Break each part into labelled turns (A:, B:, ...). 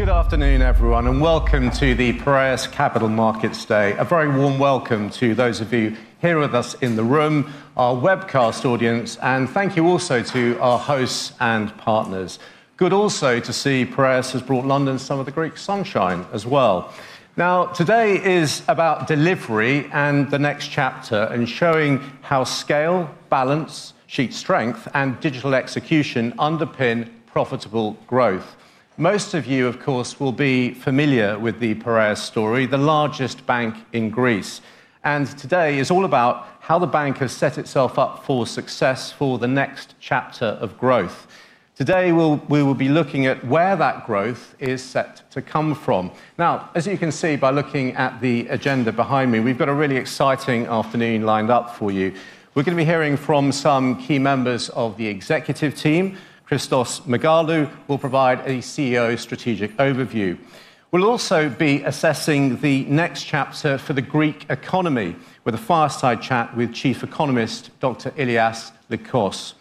A: Good afternoon, everyone, and welcome to the Piraeus Capital Markets Day. A very warm welcome to those of you here with us in the room, our webcast audience. Thank you also to our hosts and partners. Good also to see Piraeus has brought London some of the Greek sunshine as well. Today is about delivery and the next chapter, and showing how scale, balance, sheet strength, and digital execution underpin profitable growth. Most of you, of course, will be familiar with the Piraeus story, the largest bank in Greece. Today is all about how the bank has set itself up for success for the next chapter of growth. Today, we will be looking at where that growth is set to come from. As you can see by looking at the agenda behind me, we've got a really exciting afternoon lined up for you. We're going to be hearing from some key members of the executive team. Christos Megalou will provide a CEO strategic overview. We'll also be assessing the next chapter for the Greek economy with a fireside chat with Chief Economist, Dr. Ilias Lekkos.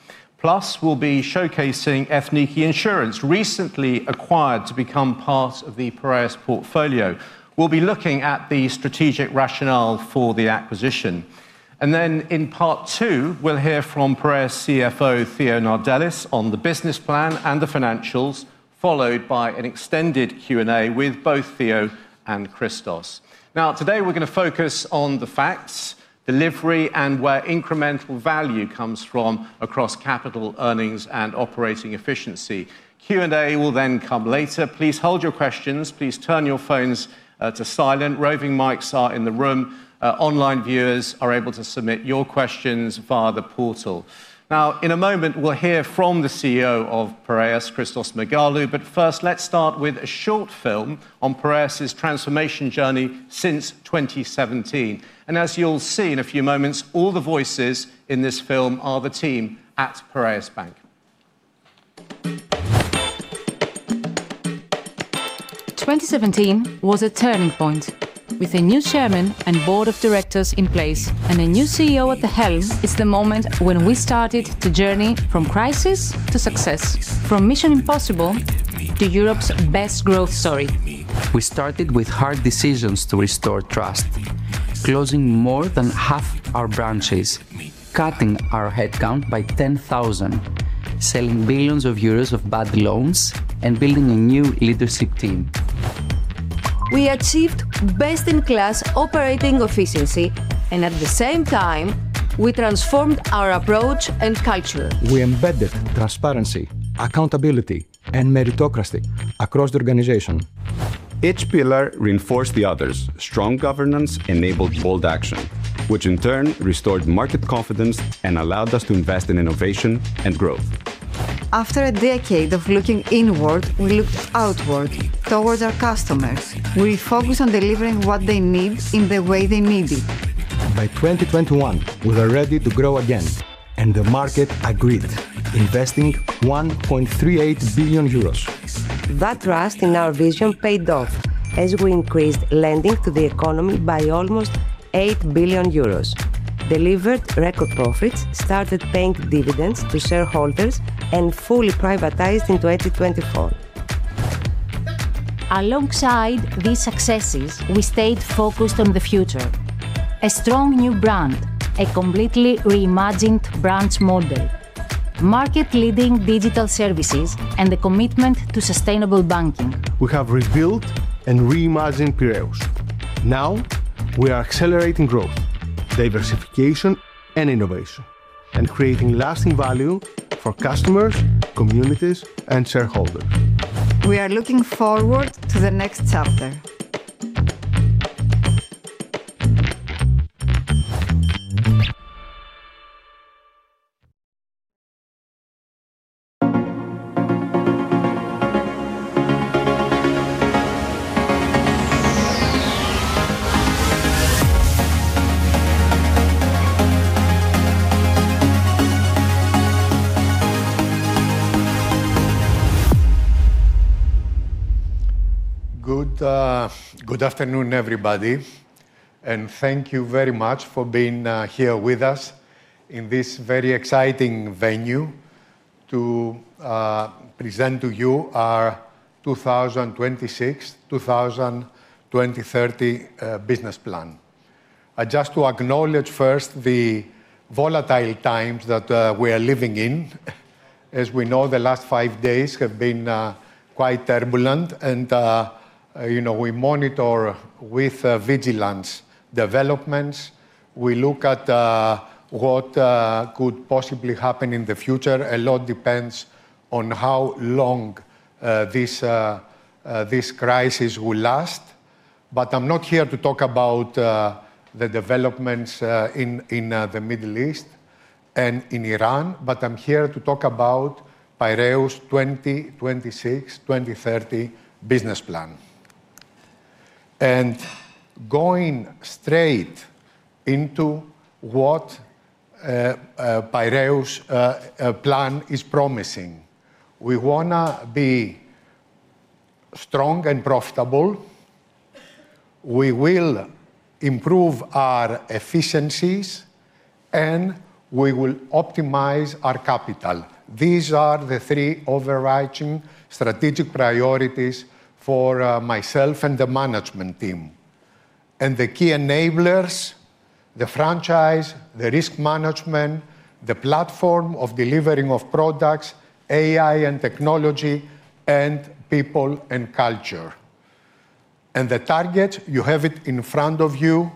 A: We'll be showcasing Ethniki Insurance, recently acquired to become part of the Piraeus portfolio. We'll be looking at the strategic rationale for the acquisition. In part two, we'll hear from Piraeus CFO, Theo Gnardellis, on the business plan and the financials, followed by an extended Q&A with both Theo and Christos. Today, we're going to focus on the facts, delivery, and where incremental value comes from across capital earnings and operating efficiency. Q&A will come later. Please hold your questions. Please turn your phones to silent. Roving mics are in the room. Online viewers are able to submit your questions via the portal. In a moment, we'll hear from the CEO of Piraeus, Christos Megalou, but first, let's start with a short film on Piraeus's transformation journey since 2017. As you'll see in a few moments, all the voices in this film are the team at Piraeus Bank.
B: 2017 was a turning point. With a new chairman and board of directors in place, and a new CEO at the helm, it's the moment when we started to journey from crisis to success, from mission impossible to Europe's best growth story. We started with hard decisions to restore trust, closing more than half our branches, cutting our headcount by 10,000, selling billions of euros of bad loans, and building a new leadership team. We achieved best-in-class operating efficiency, and at the same time, we transformed our approach and culture. We embedded transparency, accountability, and meritocracy across the organization. Each pillar reinforced the others. Strong governance enabled bold action, which in turn restored market confidence and allowed us to invest in innovation and growth. After a decade of looking inward, we looked outward towards our customers. We focused on delivering what they need in the way they need it. By 2021, we were ready to grow again, and the market agreed, investing 1.38 billion euros. That trust in our vision paid off as we increased lending to the economy by almost 8 billion euros, delivered record profits, started paying dividends to shareholders, and fully privatized in 2024. Alongside these successes, we stayed focused on the future. A strong new brand, a completely reimagined branch model, market-leading digital services, and the commitment to sustainable banking. We have rebuilt and reimagined Piraeus. Now, we are accelerating growth, diversification, and innovation, and creating lasting value for customers, communities, and shareholders. We are looking forward to the next chapter.
C: Good, good afternoon, everybody, and thank you very much for being here with us in this very exciting venue to present to you our 2026-2030 business plan. Just to acknowledge first the volatile times that we are living in, as we know, the last five days have been quite turbulent and, you know, we monitor with vigilance developments. We look at what could possibly happen in the future. A lot depends on how long this crisis will last. I'm not here to talk about the developments in the Middle East and in Iran, but I'm here to talk about Piraeus 2026-2030 business plan. Going straight into what Piraeus' plan is promising, we wanna be strong and profitable. We will improve our efficiencies and we will optimize our capital. These are the three overarching strategic priorities for myself and the management team. The key enablers, the franchise, the risk management, the platform of delivering of products, AI and technology, and people and culture. The target, you have it in front of you,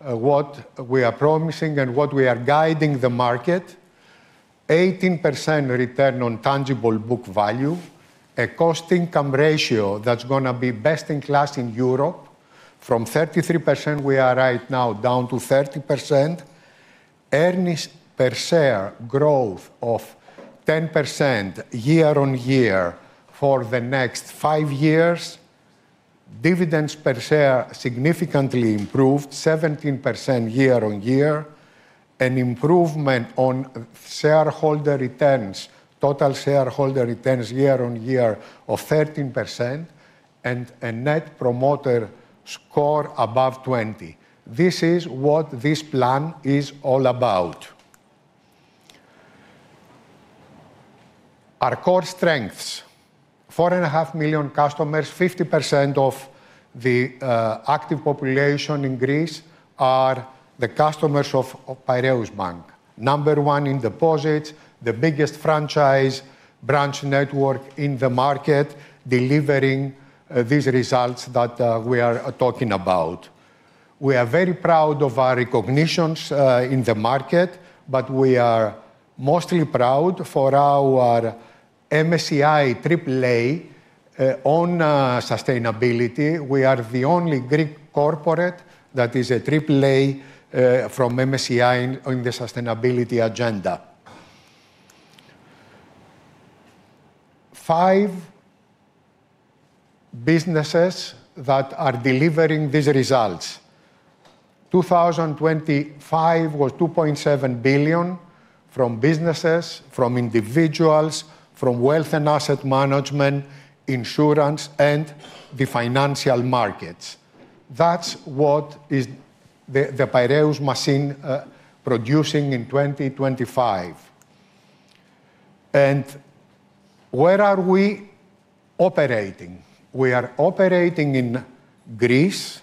C: what we are promising and what we are guiding the market. 18% return on tangible book value, a cost-income ratio that's gonna be best in class in Europe, from 33% we are right now down to 30%, earnings per share growth of 10% year-on-year for the next five years, dividends per share significantly improved 17% year-on-year, an improvement on shareholder returns, total shareholder returns year-on-year of 13%, and a Net Promoter Score above 20. This is what this plan is all about. Our core strengths, 4.5 million customers, 50% of the active population in Greece are the customers of Piraeus Bank. Number one in deposits, the biggest franchise, branch network in the market, delivering these results that we are talking about. We are very proud of our recognitions in the market, but we are mostly proud for our MSCI AAA on sustainability. We are the only Greek corporate that is a AAA from MSCI in the sustainability agenda. Five businesses that are delivering these results. 2025 or 2.7 billion from businesses, from individuals, from wealth and asset management, insurance, and the financial markets. That's what is the Piraeus machine producing in 2025. Where are we operating? We are operating in Greece,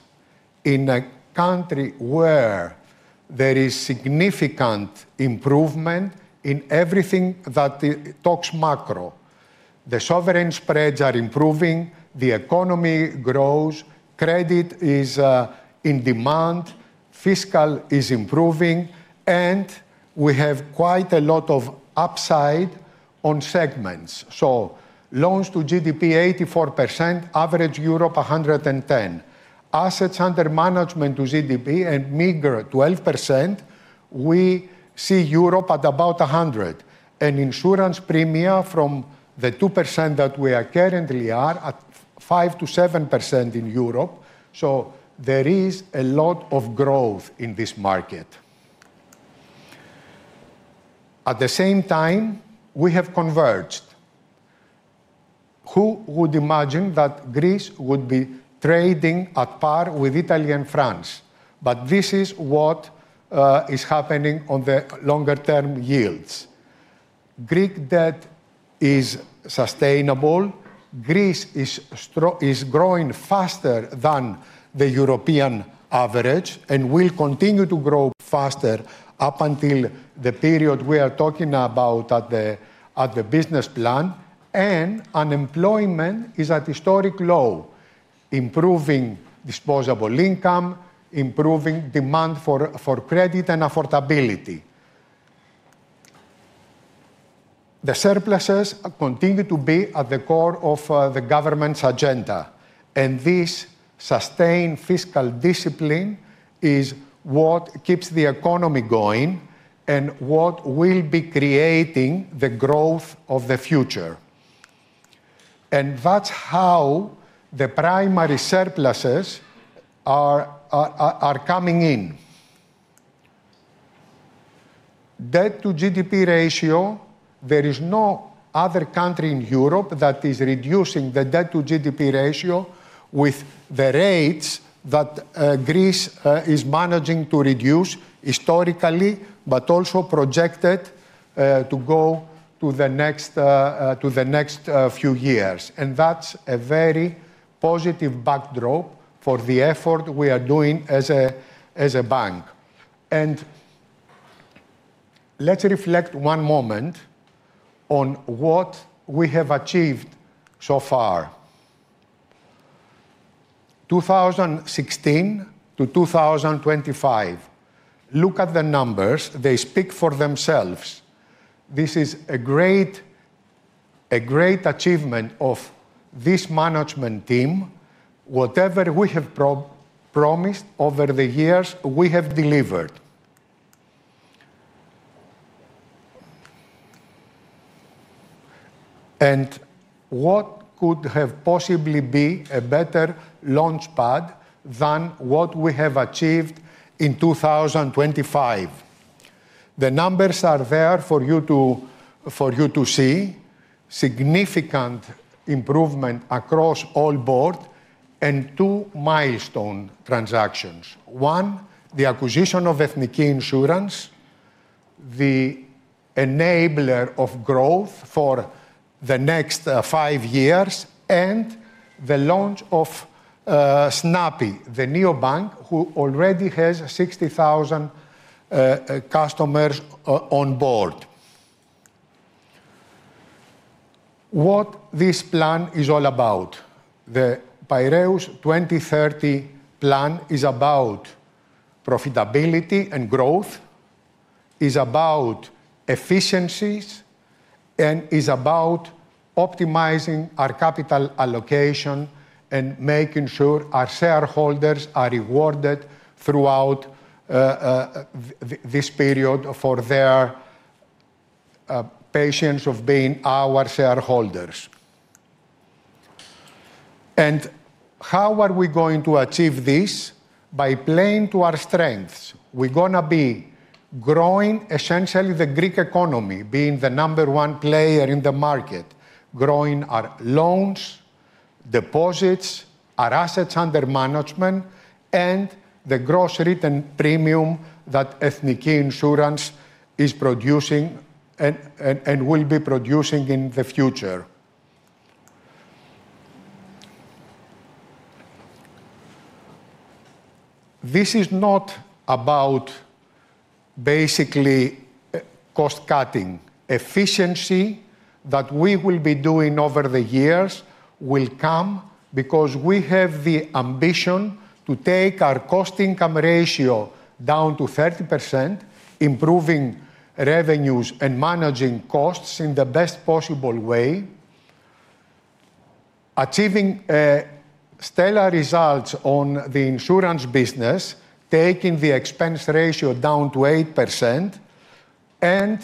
C: in a country where there is significant improvement in everything that the talks macro. The sovereign spreads are improving, the economy grows, credit is in demand, fiscal is improving, and we have quite a lot of upside on segments. Loans to GDP 84%, average Europe 110. AUM to GDP a meager 12%, we see Europe at about 100. Insurance premium from the 2% that we are currently are at 5%-7% in Europe, there is a lot of growth in this market. At the same time, we have converged. Who would imagine that Greece would be trading at par with Italy and France? This is what is happening on the longer term yields. Greek debt is sustainable. Greece is growing faster than the European average and will continue to grow faster up until the period we are talking about at the business plan. Unemployment is at historic low, improving disposable income, improving demand for credit and affordability. The surpluses continue to be at the core of the government's agenda. This sustained fiscal discipline is what keeps the economy going and what will be creating the growth of the future. That's how the primary surpluses are coming in. Debt-to-GDP ratio, there is no other country in Europe that is reducing the debt-to-GDP ratio with the rates that Greece is managing to reduce historically, but also projected to go to the next few years. That's a very positive backdrop for the effort we are doing as a bank. Let's reflect one moment on what we have achieved so far. 2016 to 2025, look at the numbers. They speak for themselves. This is a great achievement of this management team. Whatever we have promised over the years, we have delivered. What could have possibly be a better launchpad than what we have achieved in 2025? The numbers are there for you to see. Significant improvement across all board and two milestone transactions. One, the acquisition of Ethniki Insurance, the enabler of growth for the next five years, and the launch of snappi, the neobank who already has 60,000 customers onboard. What this plan is all about? The Piraeus 2030 plan is about profitability and growth, is about efficiencies, and is about optimizing our capital allocation and making sure our shareholders are rewarded throughout this period for their patience of being our shareholders. How are we going to achieve this? By playing to our strengths. We're gonna be growing, essentially, the Greek economy, being the number one player in the market, growing our loans, deposits, our assets under management, and the gross written premium that Ethniki Insurance is producing and will be producing in the future. This is not about basically cost-cutting. Efficiency that we will be doing over the years will come because we have the ambition to take our cost income ratio down to 30%, improving revenues and managing costs in the best possible way, achieving stellar results on the insurance business, taking the expense ratio down to 8%, and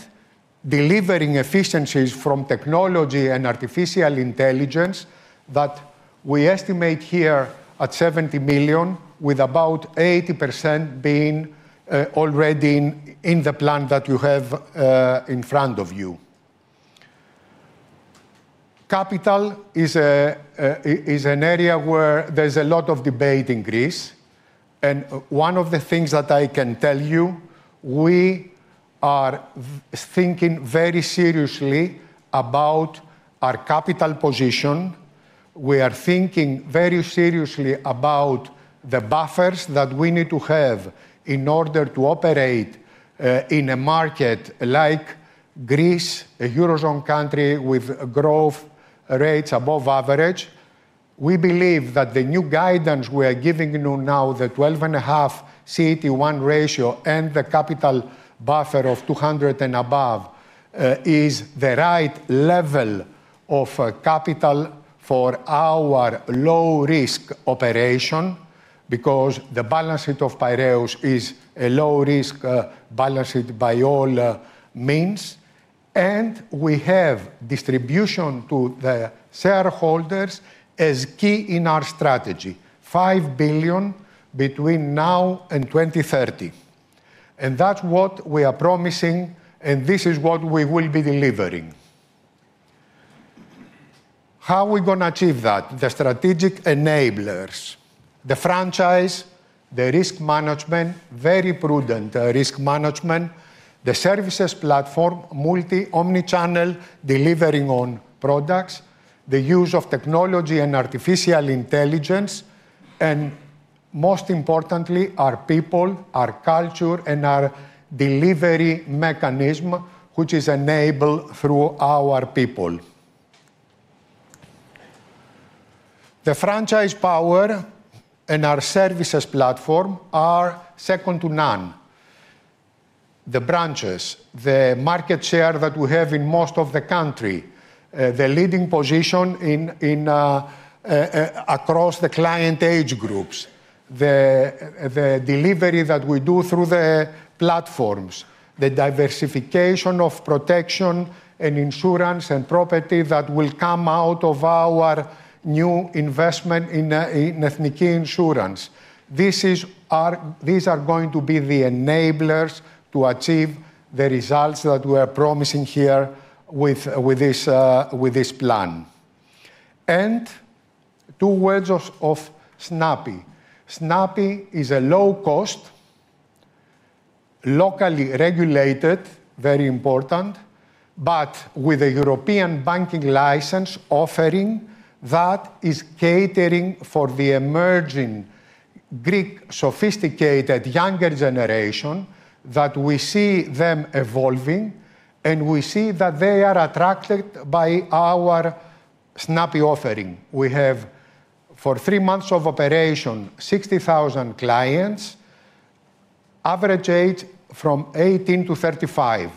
C: delivering efficiencies from technology and artificial intelligence that we estimate here at 70 million with about 80% being already in the plan that you have in front of you. Capital is an area where there's a lot of debate in Greece, and one of the things that I can tell you, we are thinking very seriously about our capital position. We are thinking very seriously about the buffers that we need to have in order to operate in a market like Greece, a Eurozone country with growth rates above average. We believe that the new guidance we are giving you now, the 12.5 CET1 ratio and the capital buffer of 200 and above, is the right level of capital for our low-risk operation, because the balance sheet of Piraeus is a low-risk balance sheet by all means, and we have distribution to the shareholders as key in our strategy. 5 billion between now and 2030, and that's what we are promising, and this is what we will be delivering. How are we gonna achieve that? The strategic enablers, the franchise, the risk management, very prudent risk management, the services platform, multi, omni-channel, delivering on products, the use of technology and artificial intelligence, and most importantly, our people, our culture, and our delivery mechanism, which is enabled through our people. The franchise power and our services platform are second to none. The branches, the market share that we have in most of the country, the leading position in across the client age groups, the delivery that we do through the platforms, the diversification of protection and insurance and property that will come out of our new investment in Ethniki Insurance. These are going to be the enablers to achieve the results that we are promising here with this plan. Two words of snappi. snappi is a low-cost, locally regulated, very important, but with a European banking license offering that is catering for the emerging Greek sophisticated younger generation, that we see them evolving, and we see that they are attracted by our snappi offering. We have, for three months of operation, 60,000 clients, average age from 18 to 35,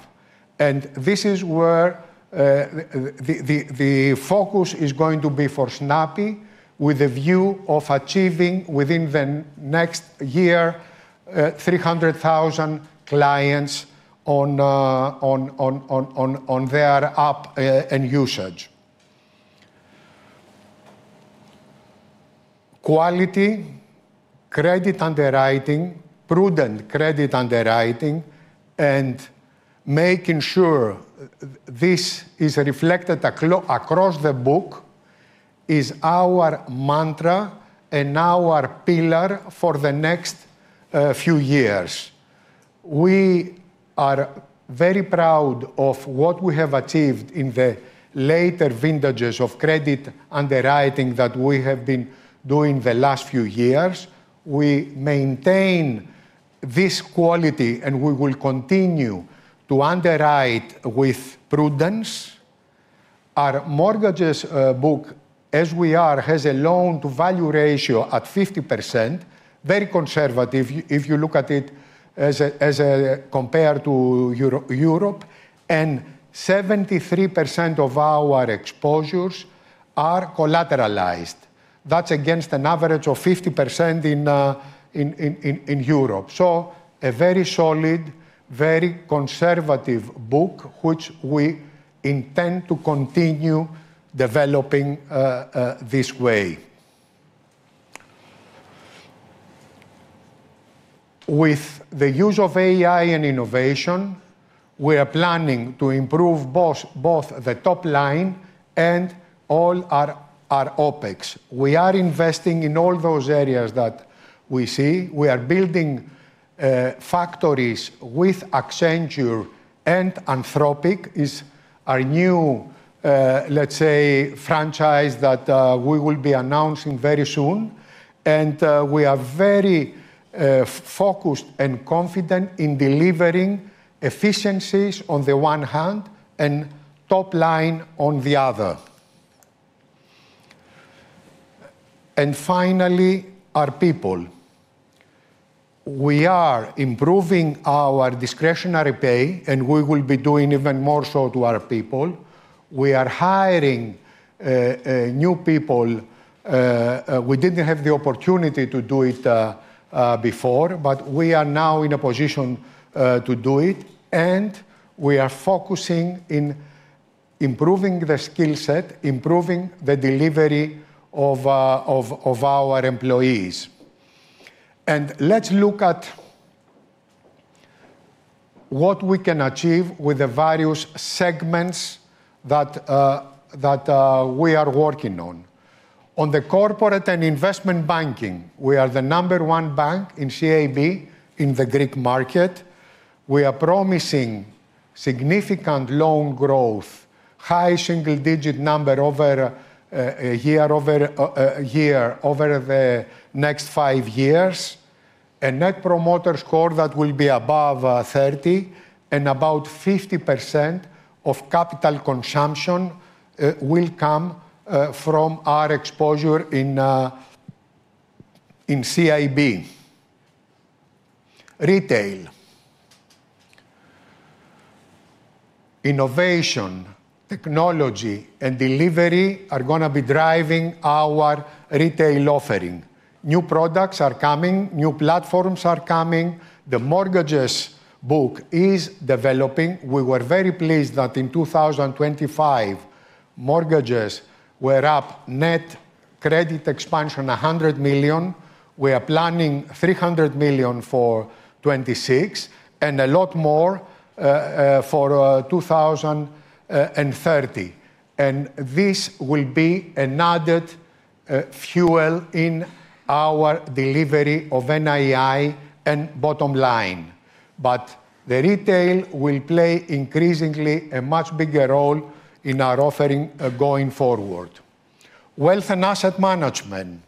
C: and this is where the focus is going to be for snappi with a view of achieving within the next year, 300,000 clients on their app and usage. Quality, credit underwriting, prudent credit underwriting, and making sure this is reflected across the book is our mantra and our pillar for the next few years. We are very proud of what we have achieved in the later vintages of credit underwriting that we have been doing the last few years. We maintain this quality, and we will continue to underwrite with prudence. Our mortgages book, as we are, has a loan to value ratio at 50%, very conservative if you look at it compared to Europe, and 73% of our exposures are collateralized. That's against an average of 50% in Europe. A very solid, very conservative book which we intend to continue developing this way. With the use of AI and innovation, we are planning to improve both the top line and all our OpEx. We are investing in all those areas that we see. We are building factories with Accenture, Anthropic is our new, let's say, franchise that we will be announcing very soon. We are very focused and confident in delivering efficiencies on the one hand and top line on the other. Finally, our people. We are improving our discretionary pay, and we will be doing even more so to our people. We are hiring new people. We didn't have the opportunity to do it before, but we are now in a position to do it. We are focusing in improving the skill set, improving the delivery of our employees. Let's look at what we can achieve with the various segments that we are working on. On the corporate and investment banking, we are the number one bank in CIB in the Greek market. We are promising significant loan growth, high single-digit number over a year over a year over the next five years, a Net Promoter Score that will be above 30 and about 50% of capital consumption will come from our exposure in CIB. Retail. Innovation, technology, and delivery are gonna be driving our retail offering. New products are coming, new platforms are coming, the mortgages book is developing. We were very pleased that in 2025, mortgages were up, Net credit expansion 100 million. We are planning 300 million for 2026 and a lot more for 2030. This will be an added fuel in our delivery of NII and bottom line. The retail will play increasingly a much bigger role in our offering going forward. Wealth and Asset Management.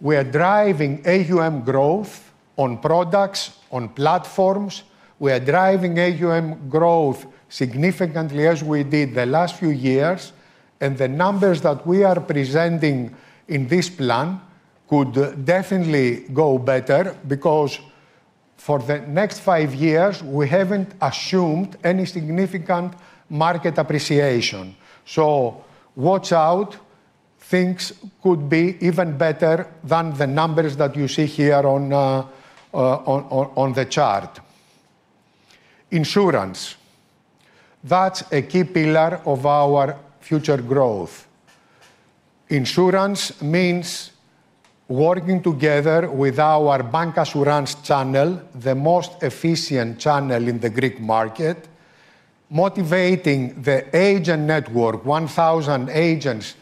C: We are driving AUM growth on products, on platforms. We are driving AUM growth significantly as we did the last few years, the numbers that we are presenting in this plan could definitely go better because for the next five years, we haven't assumed any significant market appreciation. Watch out, things could be even better than the numbers that you see here on the chart. Insurance. That's a key pillar of our future growth. Insurance means working together with our bancassurance channel, the most efficient channel in the Greek market, motivating the agent network, 1,000 agents,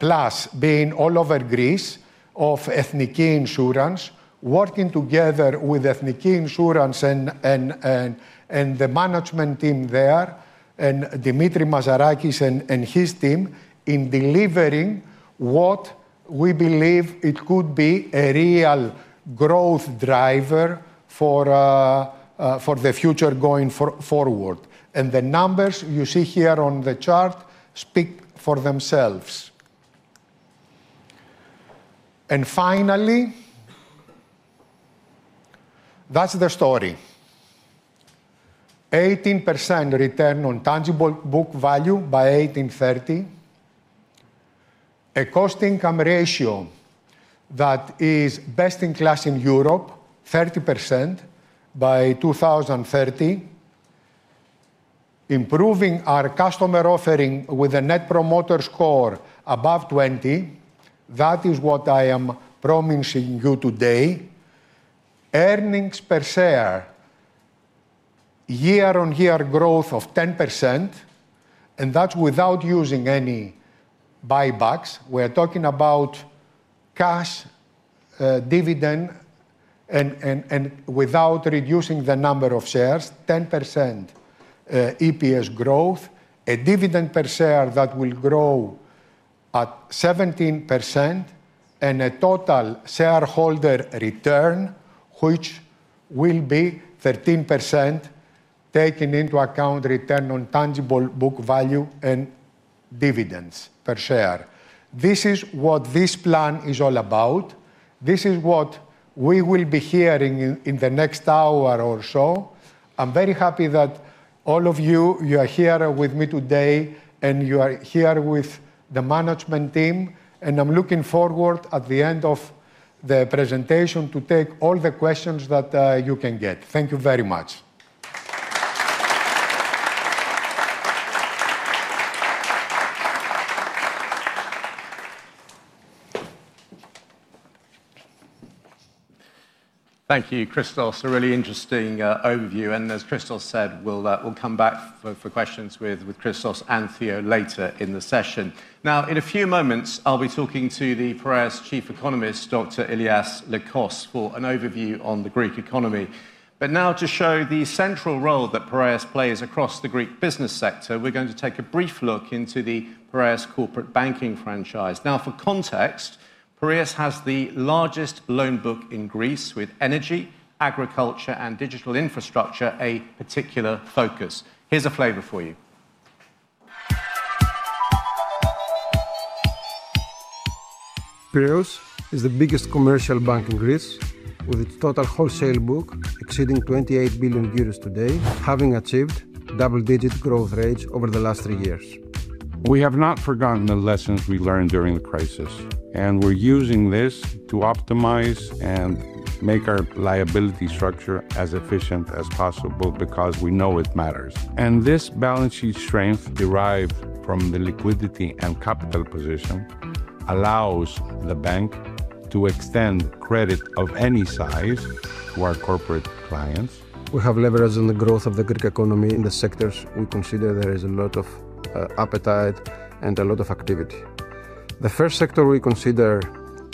C: plus being all over Greece of Ethniki Insurance, working together with Ethniki Insurance and the management team there, and Dimitris Mazarakis and his team, in delivering what we believe it could be a real growth driver for the future going forward. The numbers you see here on the chart speak for themselves. Finally, that's the story. 18% return on tangible book value by 2030. A cost income ratio that is best in class in Europe, 30% by 2030. Improving our customer offering with a net promoter score above 20, that is what I am promising you today. Earnings per share, year-on-year growth of 10%, and that's without using any buybacks. We're talking about cash, dividend and without reducing the number of shares, 10% EPS growth, a dividend per share that will grow at 17% and a total shareholder return which will be 13% taking into account return on tangible book value and dividends per share. This is what this plan is all about. This is what we will be hearing in the next hour or so. I'm very happy that all of you are here with me today and you are here with the management team, and I'm looking forward at the end of the presentation to take all the questions that you can get. Thank you very much.
A: Thank you, Christos. A really interesting overview, as Christos said, we'll come back for questions with Christos and Theo later in the session. In a few moments, I'll be talking to the Piraeus Chief Economist, Dr. Ilias Lekkos, for an overview on the Greek economy. To show the central role that Piraeus plays across the Greek business sector, we're going to take a brief look into the Piraeus corporate banking franchise. For context, Piraeus has the largest loan book in Greece with energy, agriculture, and digital infrastructure, a particular focus. Here's a flavor for you.
B: Piraeus is the biggest commercial bank in Greece with its total wholesale book exceeding 28 billion euros today, having achieved double-digit growth rates over the last three years. We have not forgotten the lessons we learned during the crisis. We're using this to optimize and make our liability structure as efficient as possible because we know it matters. This balance sheet strength derived from the liquidity and capital position allows the bank to extend credit of any size to our corporate clients. We have levers in the growth of the Greek economy in the sectors we consider there is a lot of appetite and a lot of activity. The first sector we consider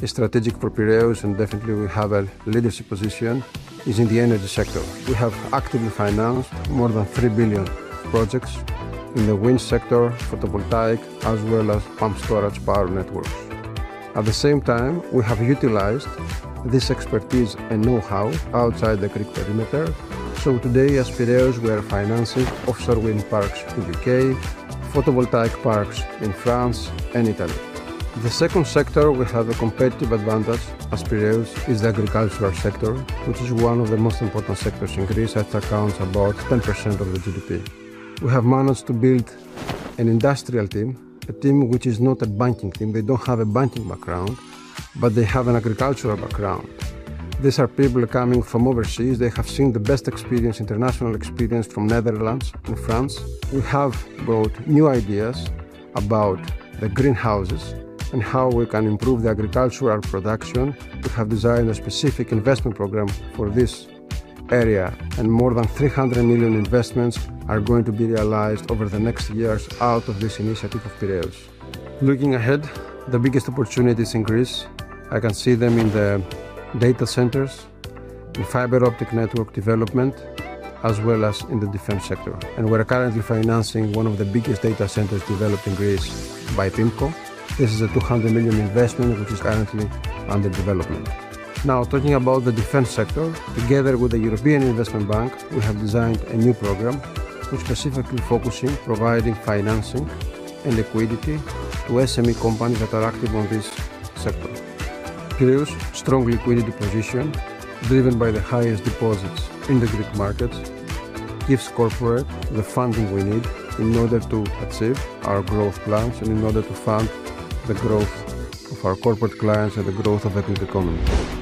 B: is strategic for Piraeus and definitely we have a leadership position, is in the energy sector. We have actively financed more than 3 billion projects in the wind sector, photovoltaic, as well as pump storage power networks. At the same time, we have utilized this expertise and know-how outside the Greek perimeter. Today as Piraeus, we are financing offshore wind parks in U.K., photovoltaic parks in France and Italy. The second sector we have a competitive advantage as Piraeus is the agricultural sector, which is one of the most important sectors in Greece, that accounts about 10% of the GDP. We have managed to build an industrial team, a team which is not a banking team. They don't have a banking background, but they have an agricultural background. These are people coming from overseas. They have seen the best experience, international experience from Netherlands and France. We have brought new ideas about the greenhouses and how we can improve the agricultural production. We have designed a specific investment program for this area. More than 300 million investments are going to be realized over the next years out of this initiative of Piraeus. Looking ahead, the biggest opportunities in Greece, I can see them in the data centers, in fiber optic network development, as well as in the defense sector. We're currently financing one of the biggest data centers developed in Greece by PIMCO. This is a 200 million investment, which is currently under development. Talking about the defense sector, together with the European Investment Bank, we have designed a new program, which specifically focusing providing financing and liquidity to SME companies that are active on this sector. Piraeus' strong liquidity position, driven by the highest deposits in the Greek markets, gives corporate the funding we need in order to achieve our growth plans and in order to fund the growth of our corporate clients and the growth of the Greek economy.
A: We want to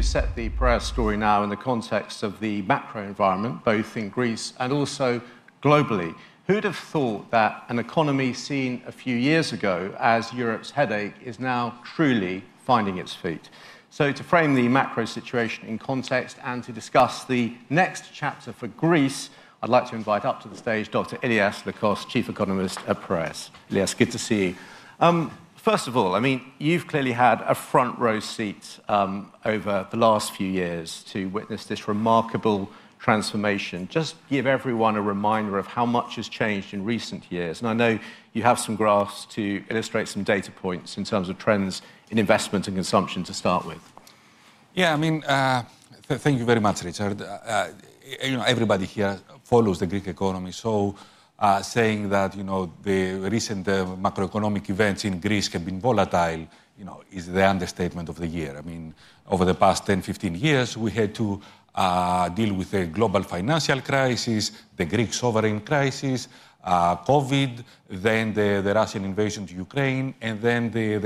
A: set the Piraeus story now in the context of the macro environment, both in Greece and also globally. Who'd have thought that an economy seen a few years ago as Europe's headache is now truly finding its feet? To frame the macro situation in context and to discuss the next chapter for Greece, I'd like to invite up to the stage Dr. Ilias Lekkos, Chief Economist at Piraeus. Ilias, good to see you. First of all, I mean, you've clearly had a front row seat over the last few years to witness this remarkable transformation. Just give everyone a reminder of how much has changed in recent years. I know you have some graphs to illustrate some data points in terms of trends in investment and consumption to start with.
D: Yeah, I mean, thank you very much, Richard. You know, everybody here follows the Greek economy, saying that, you know, the recent macroeconomic events in Greece have been volatile, you know, is the understatement of the year. I mean, over the past 10, 15 years, we had to deal with the global financial crisis, the Greek sovereign crisis, COVID, the Russian invasion to Ukraine, and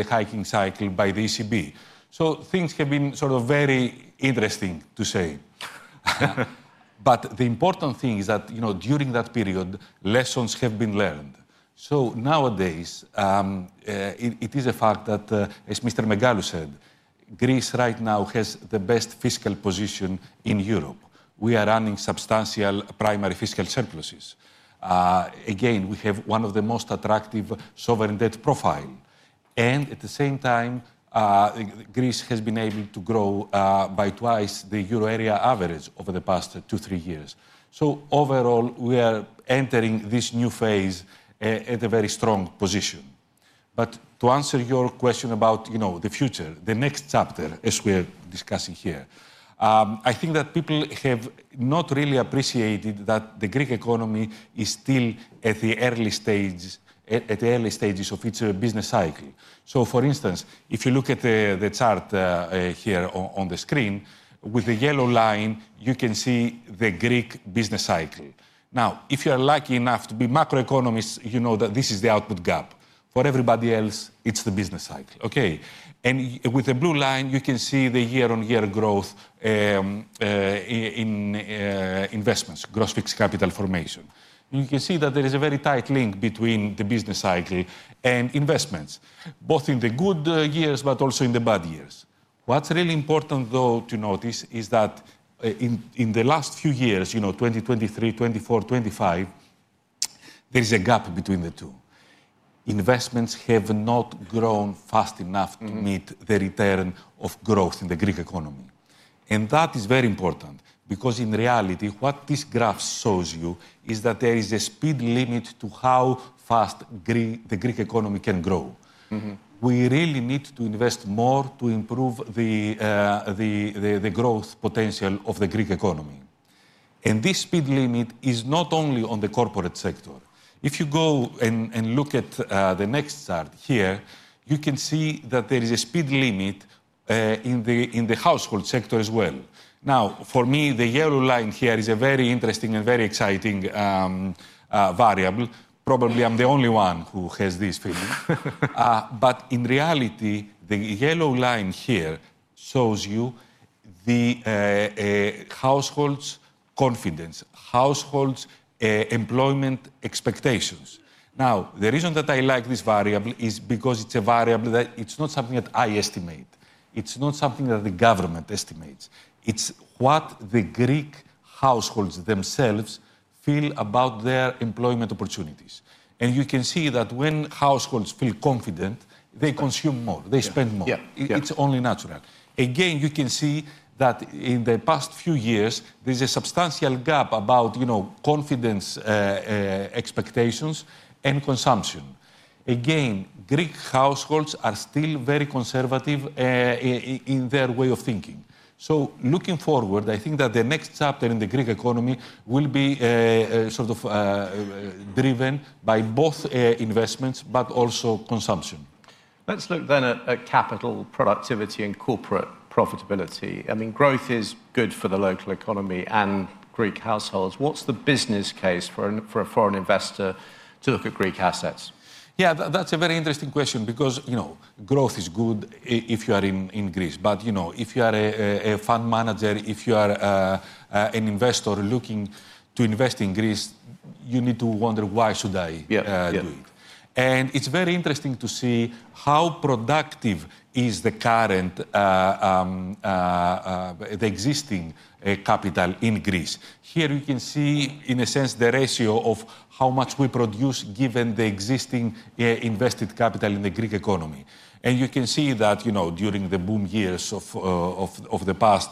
D: the hiking cycle by the ECB. Things have been sort of very interesting, to say. The important thing is that, you know, during that period, lessons have been learned. Nowadays, it is a fact that, as Mr. Megalou said, Greece right now has the best fiscal position in Europe. We are running substantial primary fiscal surpluses. Again, we have one of the most attractive sovereign debt profile. At the same time, Greece has been able to grow by twice the euro area average over the past two, three years. Overall, we are entering this new phase at a very strong position. To answer your question about, you know, the future, the next chapter, as we're discussing here, I think that people have not really appreciated that the Greek economy is still at the early stage, at the early stages of its business cycle. For instance, if you look at the chart here on the screen, with the yellow line, you can see the Greek business cycle. If you're lucky enough to be macroeconomists, you know that this is the output gap. For everybody else, it's the business cycle. Okay. With the blue line, you can see the year-over-year growth in investments, gross fixed capital formation. You can see that there is a very tight link between the business cycle and investments, both in the good years, but also in the bad years. What's really important though to notice is that in the last few years, you know, 2023, 2024, 2025, there is a gap between the two. Investments have not grown fast enough.
A: Mm-hmm...
D: to meet the return of growth in the Greek economy. That is very important because in reality, what this graph shows you is that there is a speed limit to how fast the Greek economy can grow.
A: Mm-hmm.
D: We really need to invest more to improve the growth potential of the Greek economy. This speed limit is not only on the corporate sector. If you go and look at the next chart here, you can see that there is a speed limit in the household sector as well. For me, the yellow line here is a very interesting and very exciting variable. Probably I'm the only one who has this feeling. In reality, the yellow line here shows you the households' confidence, households' employment expectations. The reason that I like this variable is because it's a variable that it's not something that I estimate. It's not something that the government estimates. It's what the Greek households themselves feel about their employment opportunities. You can see that when households feel confident, they consume more, they spend more.
A: Yeah. Yeah.
D: It's only natural. Again, you can see that in the past few years, there's a substantial gap about, you know, confidence, expectations and consumption. Again, Greek households are still very conservative in their way of thinking. Looking forward, I think that the next chapter in the Greek economy will be sort of driven by both investments, but also consumption.
A: Let's look then at capital productivity and corporate profitability. I mean, growth is good for the local economy and Greek households. What's the business case for a foreign investor to look at Greek assets?
D: Yeah, that's a very interesting question because, you know, growth is good if you are in Greece, but, you know, if you are a fund manager, if you are an investor looking to invest in Greece, you need to wonder, "Why should I
A: Yeah.
D: do it?" It's very interesting to see how productive is the current, the existing capital in Greece. Here you can see, in a sense, the ratio of how much we produce given the existing invested capital in the Greek economy. You can see that, you know, during the boom years of the past,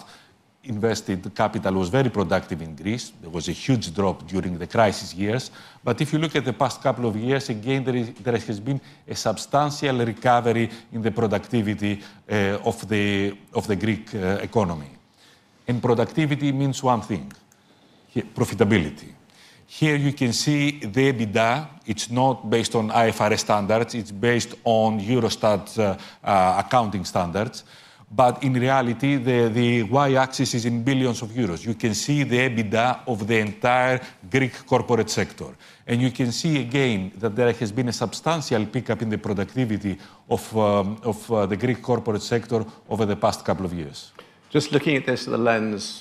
D: invested capital was very productive in Greece. There was a huge drop during the crisis years. If you look at the past couple of years, again, there has been a substantial recovery in the productivity of the Greek economy. Productivity means one thing, profitability. Here you can see the EBITDA. It's not based on IFRS standards. It's based on Eurostat's accounting standards. In reality, the y-axis is in billions of euros. You can see the EBITDA of the entire Greek corporate sector. You can see again that there has been a substantial pickup in the productivity of the Greek corporate sector over the past couple of years.
A: Just looking at this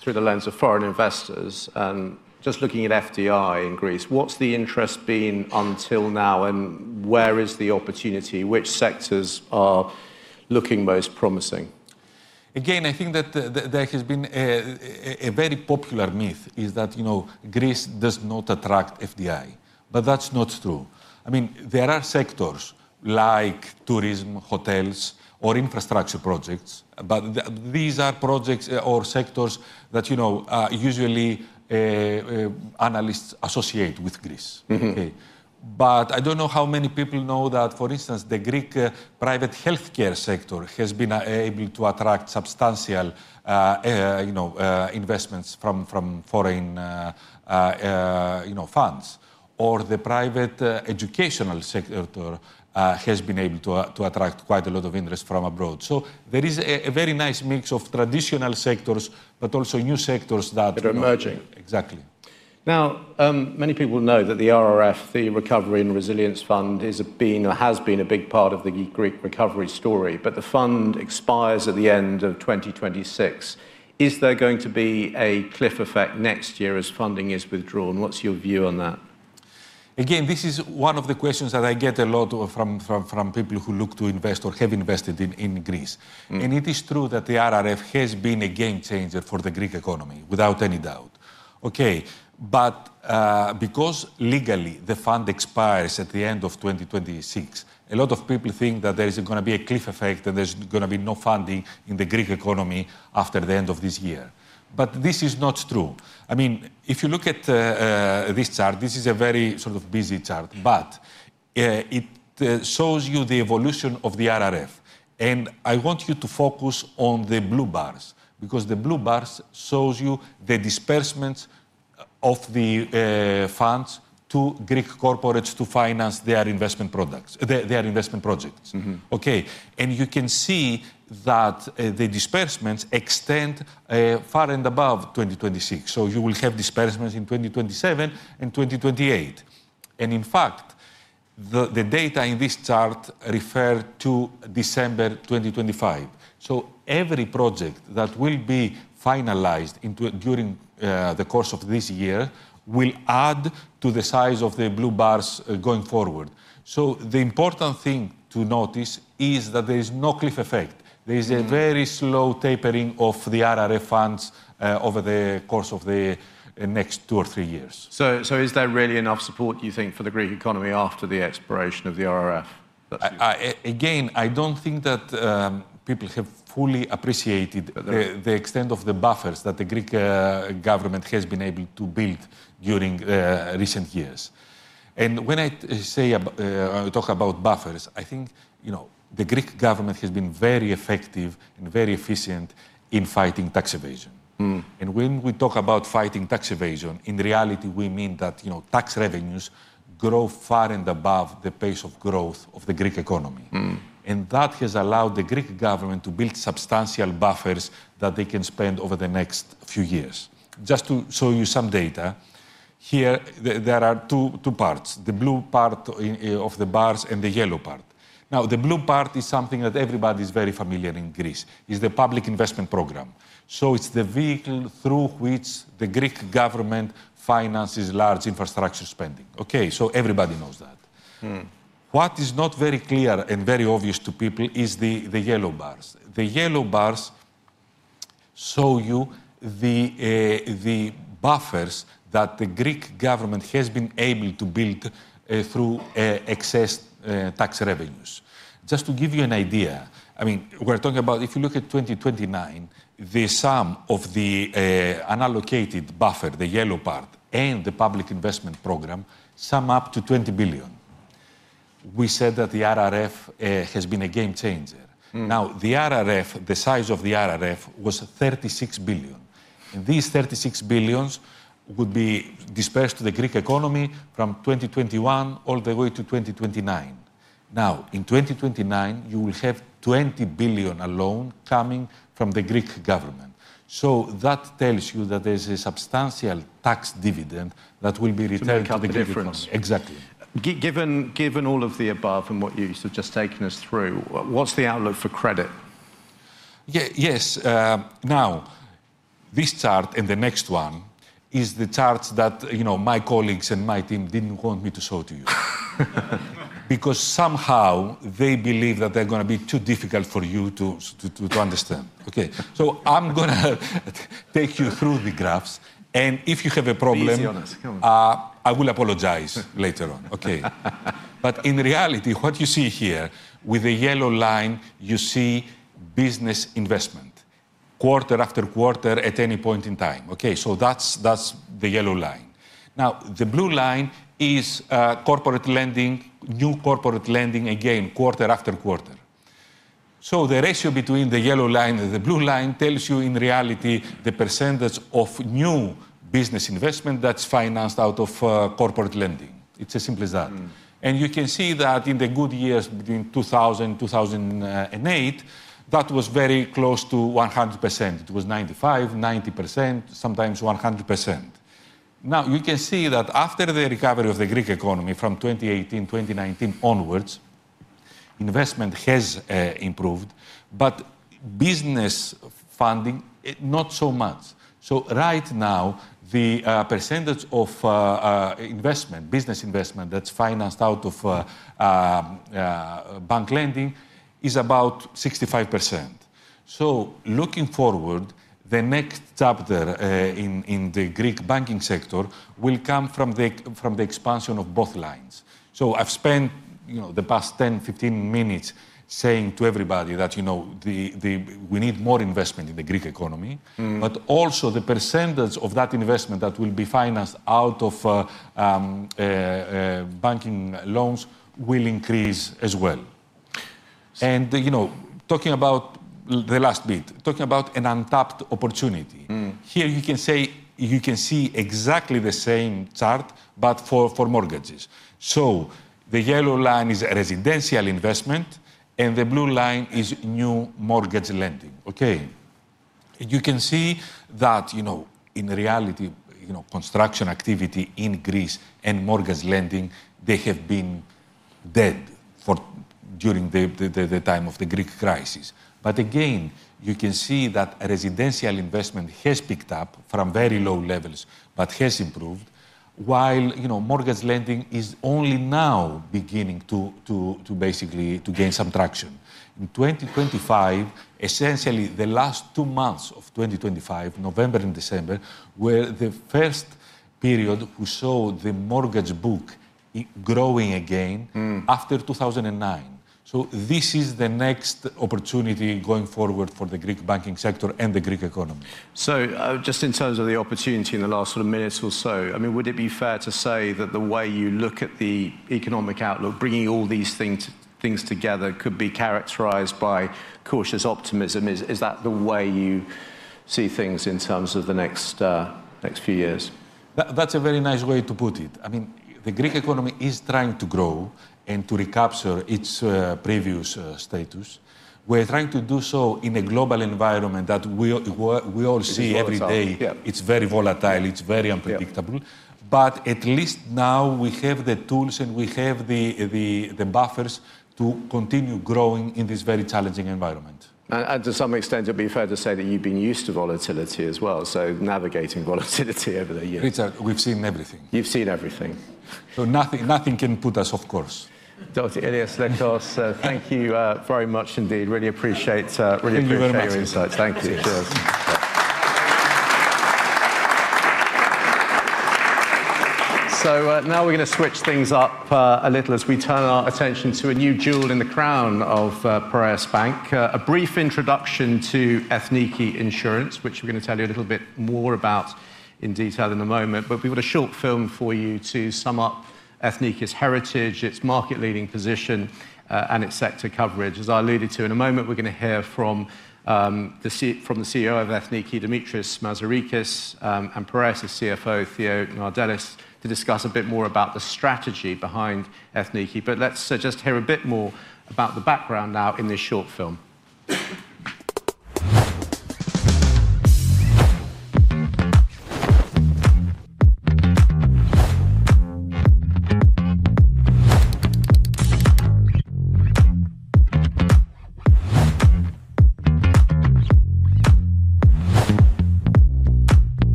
A: through the lens of foreign investors, and just looking at FDI in Greece, what's the interest been until now and where is the opportunity? Which sectors are looking most promising?
D: I think that the, there has been a very popular myth is that, you know, Greece does not attract FDI, but that's not true. I mean, there are sectors like tourism, hotels or infrastructure projects, but these are projects or sectors that, you know, usually, analysts associate with Greece.
A: Mm-hmm.
D: Okay? I don't know how many people know that, for instance, the Greek private healthcare sector has been able to attract substantial, you know, investments from foreign, you know, funds. The private educational sector has been able to attract quite a lot of interest from abroad. There is a very nice mix of traditional sectors, but also new sectors.
A: That are emerging.
D: Exactly.
A: Many people know that the RRF, the Recovery and Resilience Facility, is being or has been a big part of the Greek recovery story, but the fund expires at the end of 2026. Is there going to be a cliff effect next year as funding is withdrawn? What's your view on that?
D: Again, this is one of the questions that I get a lot from people who look to invest or have invested in Greece.
A: Mm.
D: It is true that the RRF has been a game changer for the Greek economy, without any doubt. Because legally the fund expires at the end of 2026, a lot of people think that there is gonna be a cliff effect and there's gonna be no funding in the Greek economy after the end of this year. This is not true. I mean, if you look at this chart, this is a very sort of busy chart. But it shows you the evolution of the RRF. I want you to focus on the blue bars, because the blue bars shows you the disbursements of the funds to Greek corporates to finance their investment products... their investment projects.
A: Mm-hmm.
D: Okay. You can see that the disbursements extend far and above 2026. You will have disbursements in 2027 and 2028. In fact, the data in this chart refer to December 2025. Every project that will be finalized during the course of this year will add to the size of the blue bars going forward. The important thing to notice is that there is no cliff effect. There is a very slow tapering off the RRF funds over the course of the next two or three years.
A: Is there really enough support, do you think, for the Greek economy after the expiration of the RRF?
D: I, again, I don't think that, people have fully appreciated
A: Uh
D: the extent of the buffers that the Greek government has been able to build during recent years. And when I say or talk about buffers, I think, you know, the Greek government has been very effective and very efficient in fighting tax evasion.
A: Mm.
D: When we talk about fighting tax evasion, in reality we mean that, you know, tax revenues grow far and above the pace of growth of the Greek economy.
A: Mm.
D: That has allowed the Greek government to build substantial buffers that they can spend over the next few years. Just to show you some data, here there are two parts, the blue part of the bars and the yellow part. The blue part is something that everybody's very familiar in Greece. It's the public investment program. It's the vehicle through which the Greek government finances large infrastructure spending. Okay? Everybody knows that.
A: Mm.
D: What is not very clear and very obvious to people is the yellow bars. The yellow bars show you the buffers that the Greek government has been able to build through excess tax revenues. Just to give you an idea, I mean, we're talking about if you look at 2029, the sum of the unallocated buffer, the yellow part, and the public investment program sum up to 20 billion. We said that the RRF has been a game changer.
A: Mm.
D: The RRF, the size of the RRF was 36 billion. These 36 billion would be dispersed to the Greek economy from 2021 all the way to 2029. In 2029 you will have 20 billion alone coming from the Greek government. That tells you that there's a substantial tax dividend that will be returned to the Greek economy.
A: To make up the difference.
D: Exactly.
A: Given all of the above and what you have just taken us through, what's the outlook for credit?
D: Yes. Now this chart and the next one is the charts that, you know, my colleagues and my team didn't want me to show to you. Somehow they believe that they're gonna be too difficult for you to understand. Okay. I'm gonna take you through the graphs. If you have a problem.
A: Be easy on us. Come on
D: I will apologize later on. In reality, what you see here, with the yellow line you see business investment, quarter after quarter at any point in time. Okay? That's the yellow line. The blue line is corporate lending, new corporate lending, again quarter-after-quarter. The ratio between the yellow line and the blue line tells you in reality the % of new business investment that's financed out of corporate lending. It's as simple as that.
A: Mm.
D: You can see that in the good years between 2000-2008, that was very close to 100%. It was 95%, 90%, sometimes 100%. You can see that after the recovery of the Greek economy from 2018, 2019 onwards, investment has improved, but business funding, it not so much. Right now the percentage of investment, business investment that's financed out of bank lending is about 65%. Looking forward, the next chapter in the Greek banking sector will come from the expansion of both lines. I've spent, you know, the past 10 minutes, 15 minutes saying to everybody that, you know, we need more investment in the Greek economy.
A: Mm.
D: The percentage of that investment that will be financed out of banking loans will increase as well. You know, talking about the last bit, talking about an untapped opportunity.
A: Mm.
D: Here you can say, you can see exactly the same chart, but for mortgages. The yellow line is a residential investment, and the blue line is new mortgage lending. Okay. You can see that, you know, in reality, you know, construction activity in Greece and mortgage lending, they have been dead for during the time of the Greek crisis. Again, you can see that residential investment has picked up from very low levels, but has improved while, you know, mortgage lending is only now beginning to basically to gain some traction. In 2025, essentially the last two months of 2025, November and December, were the first period we saw the mortgage book, it growing again
A: Mm
D: after 2009. This is the next opportunity going forward for the Greek banking sector and the Greek economy.
A: Just in terms of the opportunity in the last sort of minutes or so, I mean, would it be fair to say that the way you look at the economic outlook, bringing all these things together could be characterized by cautious optimism? Is that the way you see things in terms of the next few years?
D: That's a very nice way to put it. I mean, the Greek economy is trying to grow and to recapture its previous status. We're trying to do so in a global environment that we all see every day.
A: It's volatile. Yeah.
D: It's very volatile. It's very unpredictable.
A: Yeah.
D: At least now we have the tools and we have the buffers to continue growing in this very challenging environment.
A: To some extent, it'd be fair to say that you've been used to volatility as well, navigating volatility over the years.
D: Richard, we've seen everything.
A: You've seen everything.
D: Nothing, nothing can put us off course.
A: Dr. Ilias Lekkos, thank you very much indeed. Really appreciate.
D: Thank you very much.
A: really appreciate your insights. Thank you. Cheers. Now we're gonna switch things up a little as we turn our attention to a new jewel in the crown of Piraeus Bank. A brief introduction to Ethniki Insurance, which we're gonna tell you a little bit more about in detail in a moment. We've got a short film for you to sum up Ethniki's heritage, its market-leading position, and its sector coverage. As I alluded to, in a moment, we're gonna hear from the CEO of Ethniki, Dimitris Mazarakis, and Piraeus' CFO, Theo Gnardelis, to discuss a bit more about the strategy behind Ethniki. Let's just hear a bit more about the background now in this short film.
E: Here we are.
F: Hi, Theo.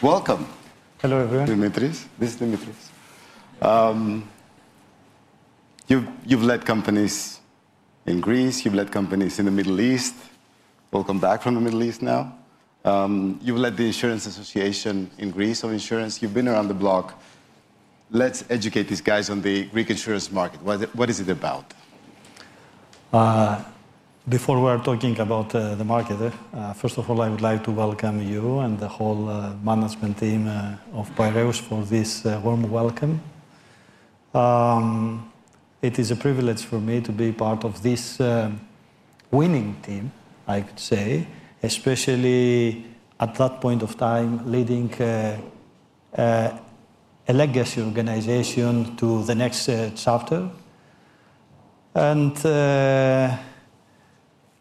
E: Welcome.
F: Hello, everyone.
E: Dimitris. This is Dimitris. You've led companies in Greece. You've led companies in the Middle East. Welcome back from the Middle East now. You've led the Insurance Association in Greece, so insurance. You've been around the block. Let's educate these guys on the Greek insurance market. What is it about?
F: Before we are talking about the market, first of all, I would like to welcome you and the whole management team of Piraeus for this warm welcome. It is a privilege for me to be part of this winning team, I could say, especially at that point of time leading a legacy organization to the next chapter.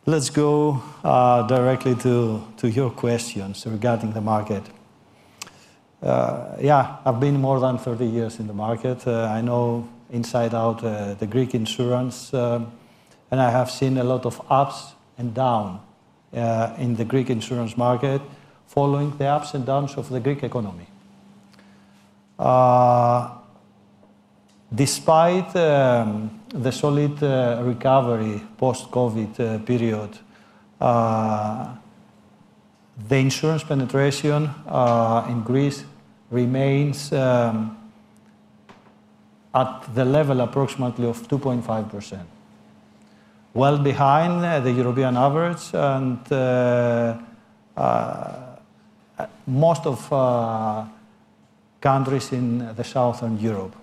F: Let's go directly to your questions regarding the market. Yeah, I've been more than 30 years in the market. I know inside out the Greek insurance, and I have seen a lot of ups and down in the Greek insurance market following the ups and downs of the Greek economy. Despite the solid recovery post-COVID period, the insurance penetration in Greece remains at the level approximately of 2.5%. Well behind the European average and most of countries in the Southern Europe.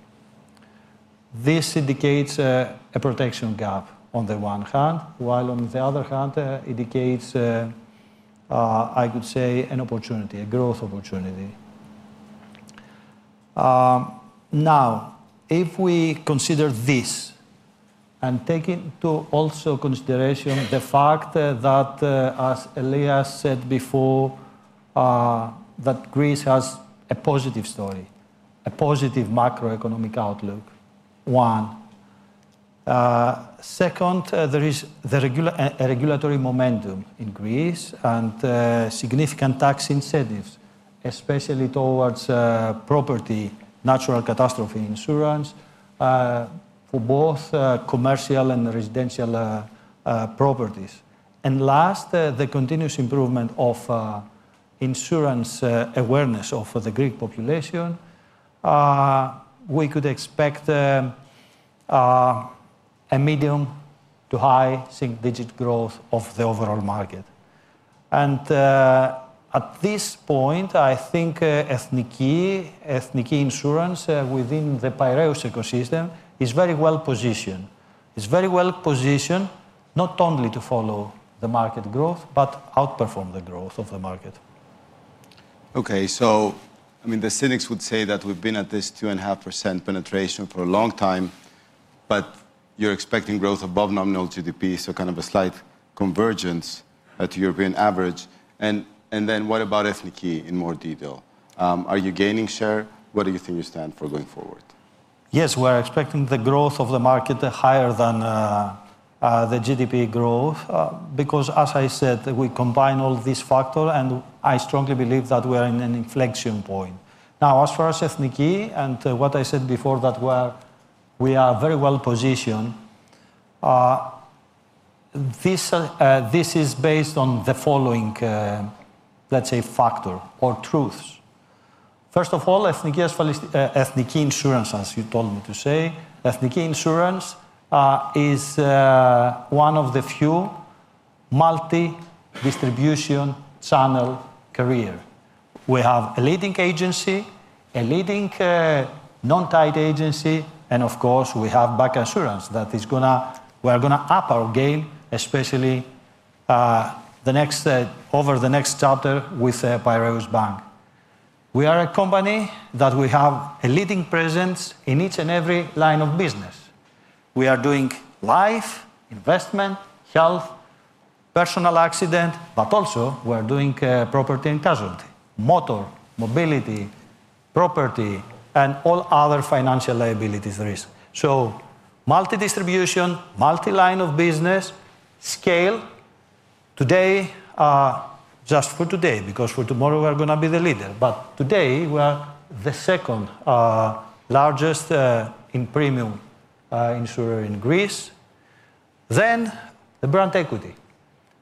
F: This indicates a protection gap on the one hand, while on the other hand indicates I could say an opportunity, a growth opportunity. Now, if we consider this and take into also consideration the fact that as Elias said before, that Greece has a positive story, a positive macroeconomic outlook. Second, there is the regulatory momentum in Greece and significant tax incentives, especially towards property, natural catastrophe insurance, for both commercial and residential properties. Last, the continuous improvement of insurance awareness of the Greek population. We could expect a medium to high single digit growth of the overall market. At this point, I think Ethniki Insurance within the Piraeus ecosystem is very well positioned. Is very well positioned not only to follow the market growth, but outperform the growth of the market.
E: Okay. I mean, the cynics would say that we've been at this 2.5% penetration for a long time, but you're expecting growth above nominal GDP, kind of a slight convergence at European average. Then what about Ethniki in more detail? Are you gaining share? What do you think you stand for going forward?
F: Yes, we're expecting the growth of the market higher than the GDP growth because as I said, we combine all these factor. I strongly believe that we are in an inflection point. Now, as for Ethniki and what I said before, that we are very well-positioned. This is based on the following, let's say, factor or truths. First of all, Ethniki Insurance, as you told me to say. Ethniki Insurance is one of the few multi-distribution channel carrier. We have a leading agency, a leading non-tied agency, and of course, we have bancassurance that we are gonna up our game, especially over the next chapter with Piraeus Bank. We are a company that we have a leading presence in each and every line of business. We are doing life, investment, health, personal accident, but also we are doing property and casualty, motor, mobility, property, and all other financial liabilities there is. Multi-distribution, multi-line of business, scale. Today, just for today, because for tomorrow, we are gonna be the leader. Today, we are the second largest in premium insurer in Greece. The brand equity.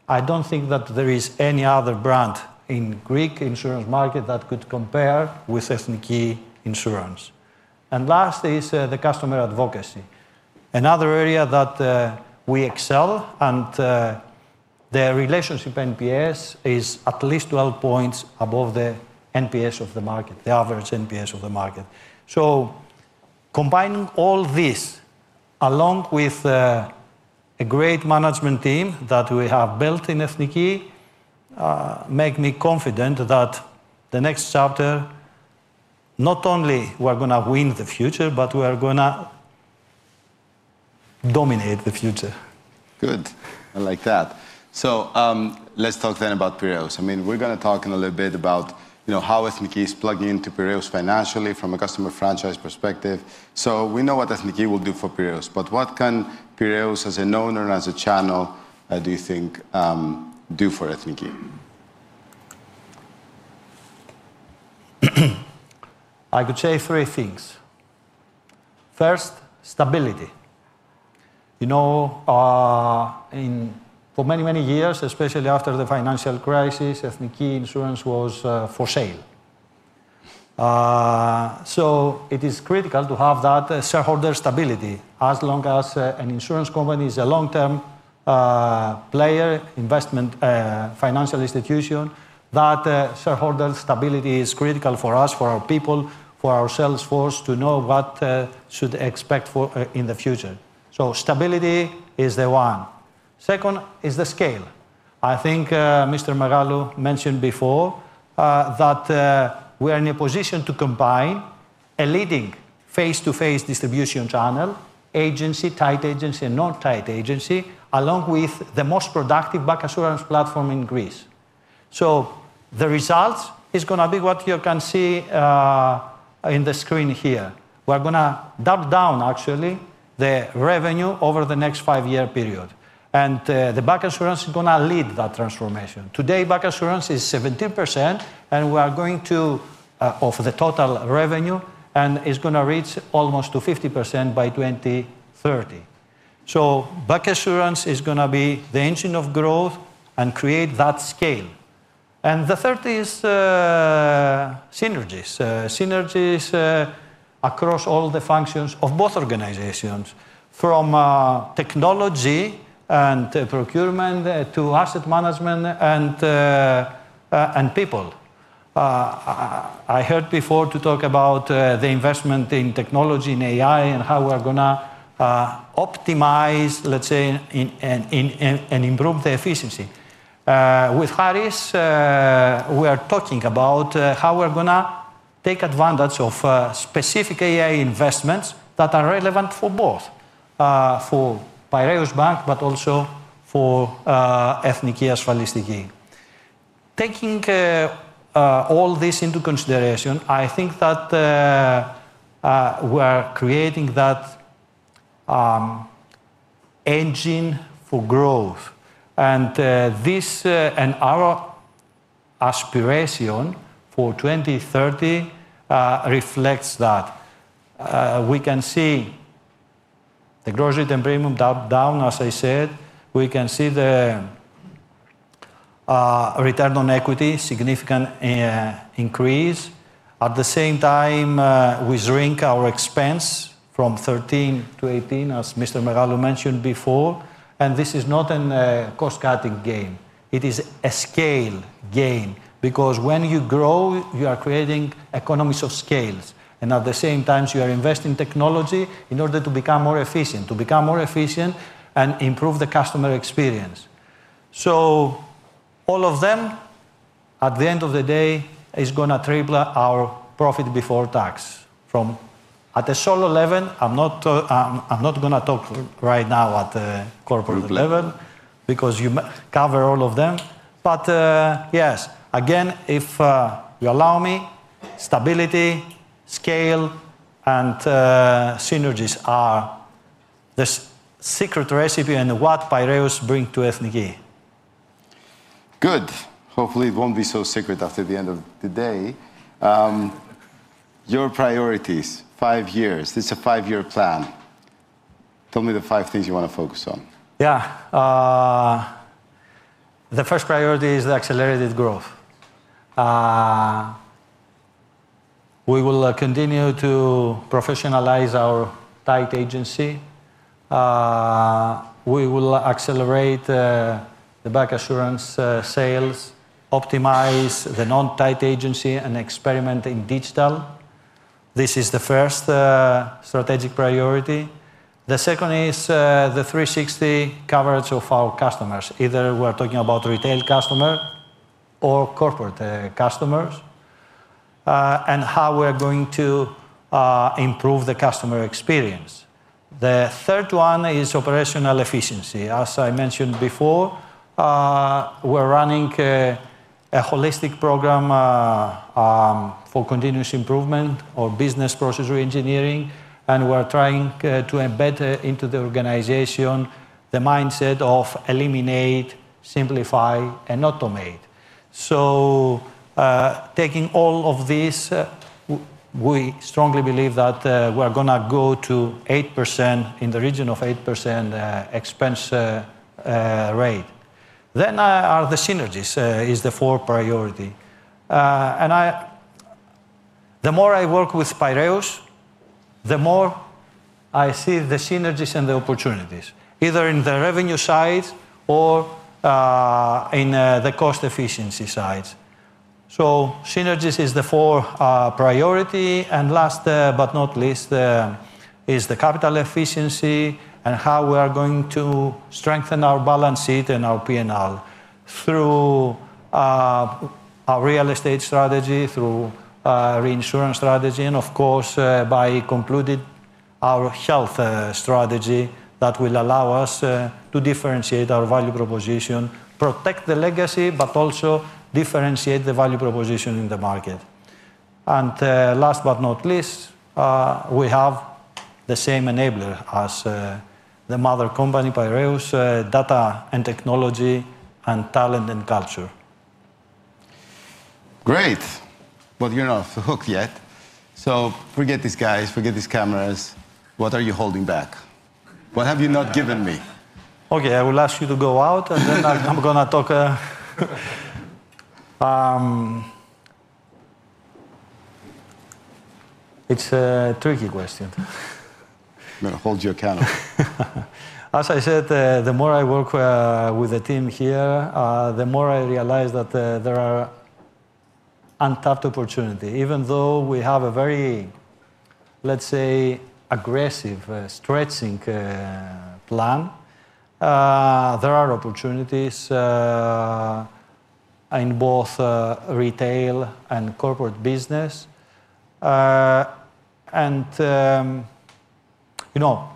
F: I don't think that there is any other brand in Greek insurance market that could compare with Ethniki Insurance. Last is, the customer advocacy. Another area that we excel and their relationship NPS is at least 12 points above the NPS of the market, the average NPS of the market. Combining all this, along with a great management team that we have built in Ethniki, make me confident that the next chapter, not only we are gonna win the future, but we are gonna dominate the future.
E: Good. I like that. Let's talk then about Piraeus. I mean, we're gonna talk in a little bit about, you know, how Ethniki is plugging into Piraeus financially from a customer franchise perspective. We know what Ethniki will do for Piraeus, but what can Piraeus, as an owner and as a channel, do you think, do for Ethniki?
F: I could say three things. First, stability. You know, for many, many years, especially after the financial crisis, Ethniki Insurance was for sale. It is critical to have that shareholder stability. As long as an insurance company is a long-term player, investment, financial institution, that shareholder stability is critical for us, for our people, for our sales force to know what should expect for in the future. Stability is the one. Second is the scale. I think Mr. Megalou mentioned before that we are in a position to combine a leading face-to-face distribution channel, agency, tied agency and non-tied agency, along with the most productive bank insurance platform in Greece. The results is gonna be what you can see in the screen here. We are gonna dub down actually the revenue over the next five-year period. The bank insurance is gonna lead that transformation. Today, bank insurance is 17%, and we are going to of the total revenue, and is gonna reach almost to 50% by 2030. Bank insurance is gonna be the engine of growth and create that scale. The third is synergies. Synergies across all the functions of both organizations from technology and procurement to asset management and people. I heard before to talk about the investment in technology, in AI, and how we're gonna optimize, let's say, and improve the efficiency. With Haris, we are talking about how we're gonna take advantage of specific AI investments that are relevant for both for Piraeus Bank, but also for Ethniki Asfalistiki. Taking all this into consideration, I think that we're creating that engine for growth. This and our aspiration for 2030 reflects that. We can see the gross written premium down as I said. We can see the return on equity, significant increase. At the same time, we shrink our expense from 13 to 18 as Mr. Megalou mentioned before, and this is not an cost-cutting gain, it is a scale gain. When you grow, you are creating economies of scale, at the same time, you are investing technology in order to become more efficient and improve the customer experience. All of them, at the end of the day, is gonna triple our profit before tax from... At a solo level, I'm not, I'm not gonna talk right now at the corporate level because you cover all of them. Yes. Again, if you allow me, stability, scale, and synergies are the secret recipe and what Piraeus bring to Ethniki.
E: Good. Hopefully, it won't be so secret after the end of today. Your priorities, five years, this is a five-year plan. Tell me the five things you wanna focus on.
F: Yeah. The first priority is the accelerated growth. We will continue to professionalize our tied agency. We will accelerate the bank insurance sales, optimize the non-tied agency, and experiment in digital. This is the first strategic priority. The second is the 360 coverage of our customers, either we're talking about retail customer or corporate customers, and how we're going to improve the customer experience. The third one is operational efficiency. As I mentioned before, we're running a holistic program for continuous improvement or business process reengineering, and we're trying to embed into the organization, the mindset of eliminate, simplify, and automate. Taking all of this, we strongly believe that we're gonna go to 8%, in the region of 8%, expense rate. Are the synergies is the fourth priority. The more I work with Piraeus, the more I see the synergies and the opportunities, either in the revenue side or in the cost efficiency side. Synergies is the fourth priority. Last, but not least, is the capital efficiency and how we are going to strengthen our balance sheet and our P&L through our real estate strategy, through reinsurance strategy, and of course, by concluding our health strategy that will allow us to differentiate our value proposition, protect the legacy, but also differentiate the value proposition in the market. Last but not least, we have the same enabler as the mother company, Piraeus, data and technology and talent and culture.
E: Great. You're not off the hook yet. Forget these guys, forget these cameras. What are you holding back? What have you not given me?
F: Okay. I will ask you to go out, and then I'm gonna talk. It's a tricky question.
E: I'm gonna hold you accountable.
F: As I said, the more I work with the team here, the more I realize that there are untapped opportunity. Even though we have a very, let's say, aggressive, stretching plan, there are opportunities in both retail and corporate business. And, you know,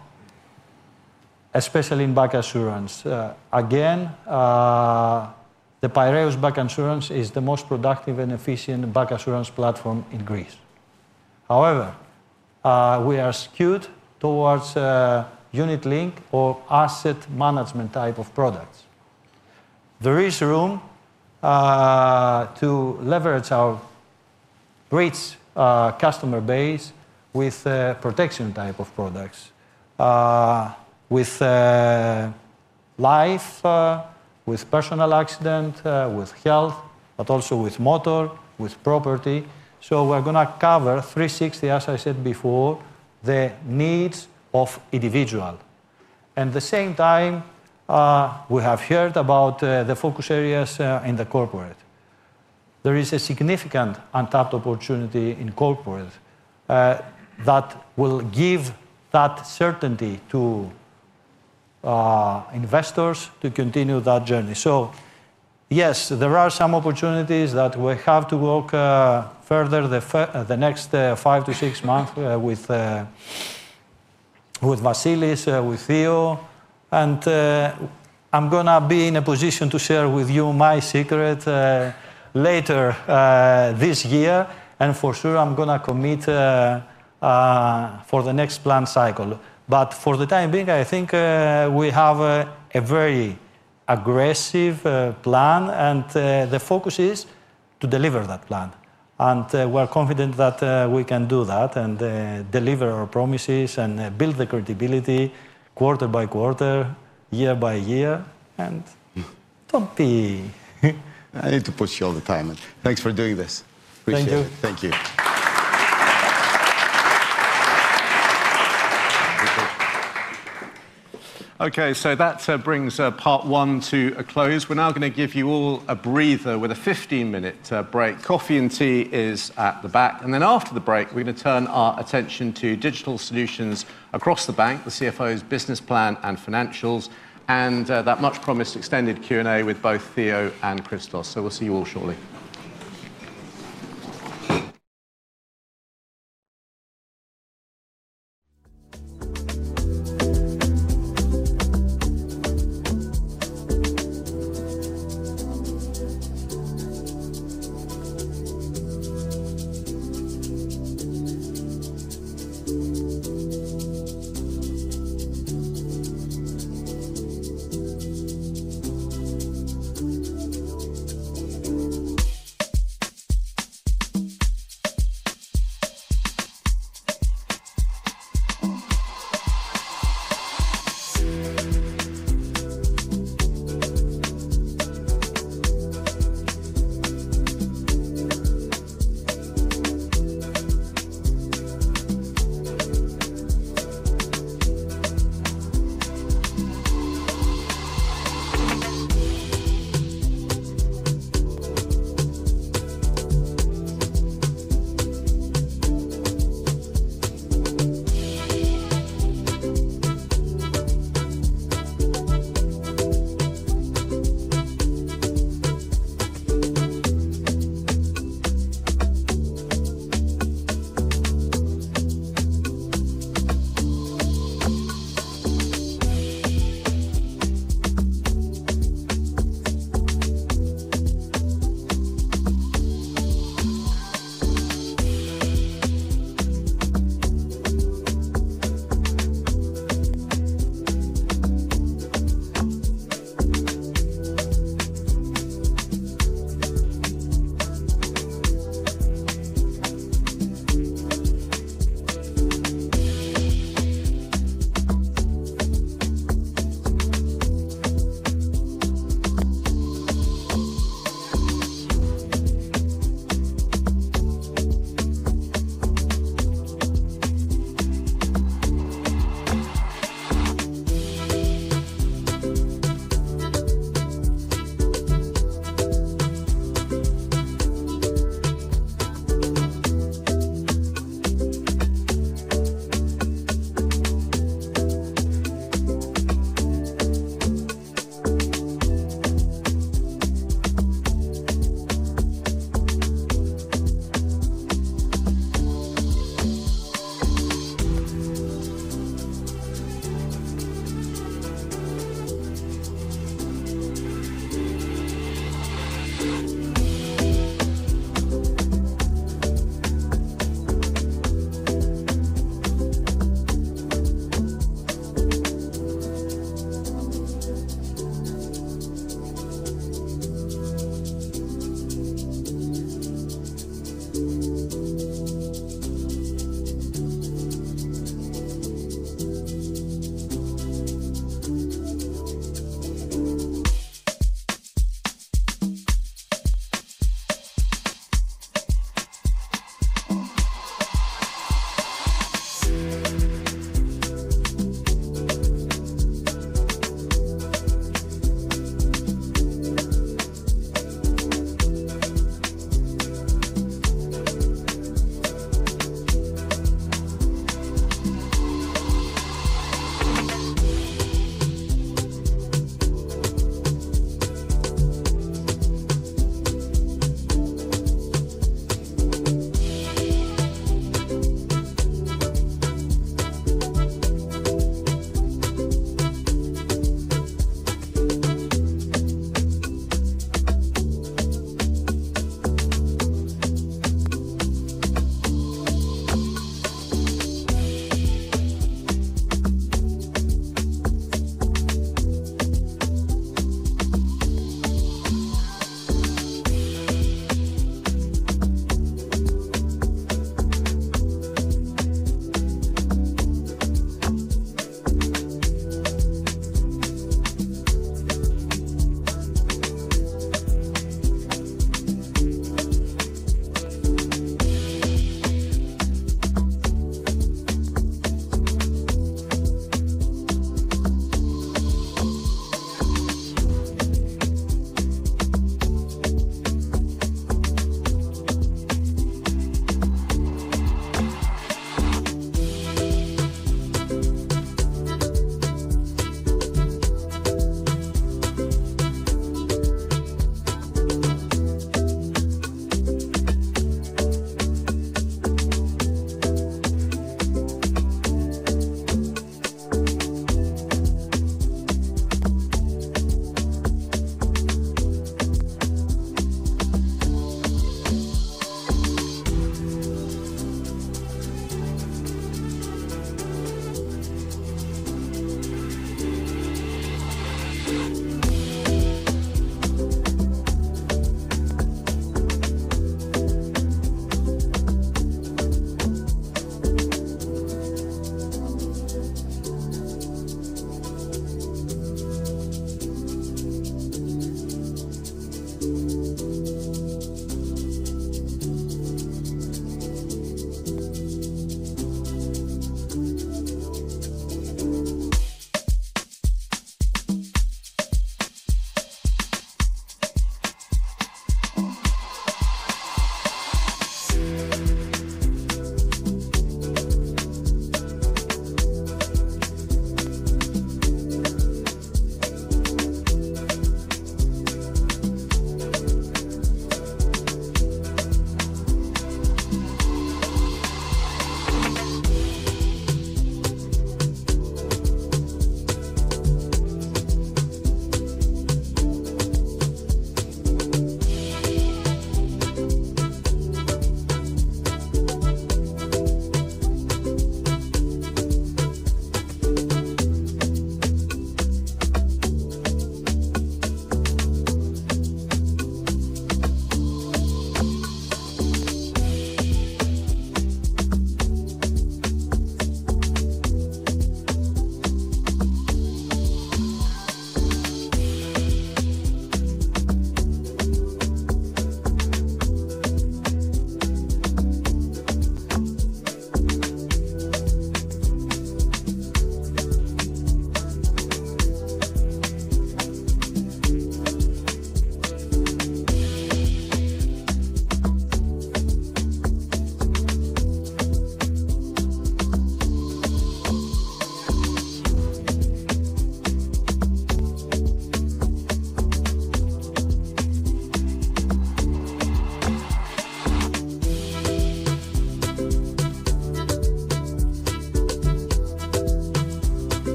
F: especially in bancassurance. Again, the Piraeus bancassurance is the most productive and efficient bancassurance platform in Greece. However, we are skewed towards unit-linked or asset management type of products. There is room to leverage our rich customer base with protection type of products, with life, with personal accident, with health, but also with motor, with property. We're gonna cover 360, as I said before, the needs of individual. The same time, we have heard about the focus areas in the corporate. There is a significant untapped opportunity in corporate that will give that certainty to investors to continue that journey. Yes, there are some opportunities that we have to work further the next five to six month with Vasilis, with Theo, and I'm gonna be in a position to share with you my secret later this year, and for sure I'm gonna commit for the next plan cycle. For the time being, I think, we have a very aggressive plan, and the focus is to deliver that plan. We're confident that we can do that and deliver our promises and build the credibility quarter by quarter, year by year, and don't be...
E: I need to push you all the time. Thanks for doing this. Appreciate it.
F: Thank you.
A: Thank you. Okay, so that brings part one to a close. We're now gonna give you all a breather with a 15-minute break. Coffee and tea is at the back. After the break, we're gonna turn our attention to digital solutions across the bank, the CFO's business plan and financials, and that much promised extended Q&A with both Theo and Christos. We'll see you all shortly.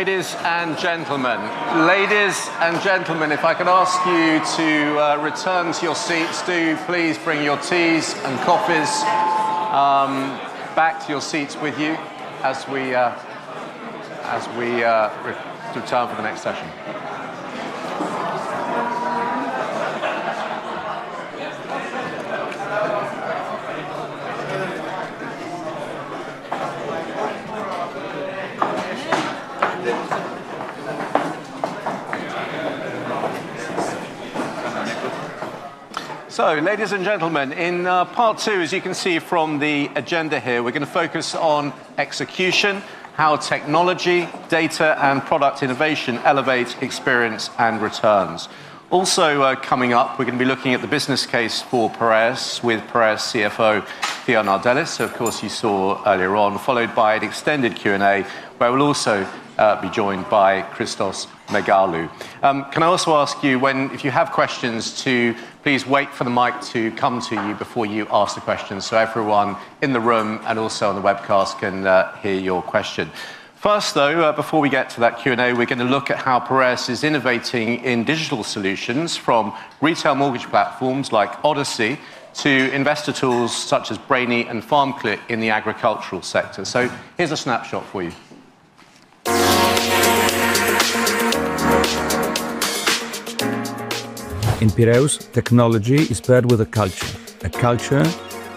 A: Ladies and gentlemen, if I could ask you to return to your seats. Do please bring your teas and coffees back to your seats with you as we return for the next session. Ladies and gentlemen, in part two, as you can see from the agenda here, we're going to focus on execution, how technology, data, and product innovation elevate experience and returns. Also, coming up, we're going to be looking at the business case for Piraeus with Piraeus CFO, Theodoros Gnardellis, who of course you saw earlier on, followed by an extended Q&A, where we'll also be joined by Christos Megalou. Can I also ask you when, if you have questions, to please wait for the mic to come to you before you ask the question so everyone in the room and also on the webcast can hear your question. First, though, before we get to that Q&A, we're going to look at how Piraeus is innovating in digital solutions from retail mortgage platforms like Odyssey to investor tools such as Brainy and FarmClick in the agricultural sector. Here's a snapshot for you.
B: In Piraeus, technology is paired with a culture, a culture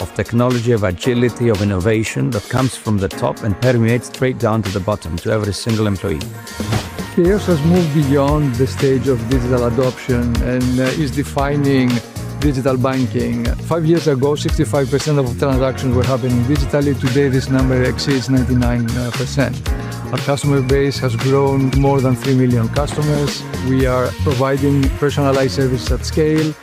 B: of technology, of agility, of innovation that comes from the top and permeates straight down to the bottom to every single employee. Piraeus has moved beyond the stage of digital adoption and is defining digital banking. Five years ago, 65% of transactions were happening digitally. Today, this number exceeds 99%. Our customer base has grown more than 3 million customers. We are providing personalized service at scale.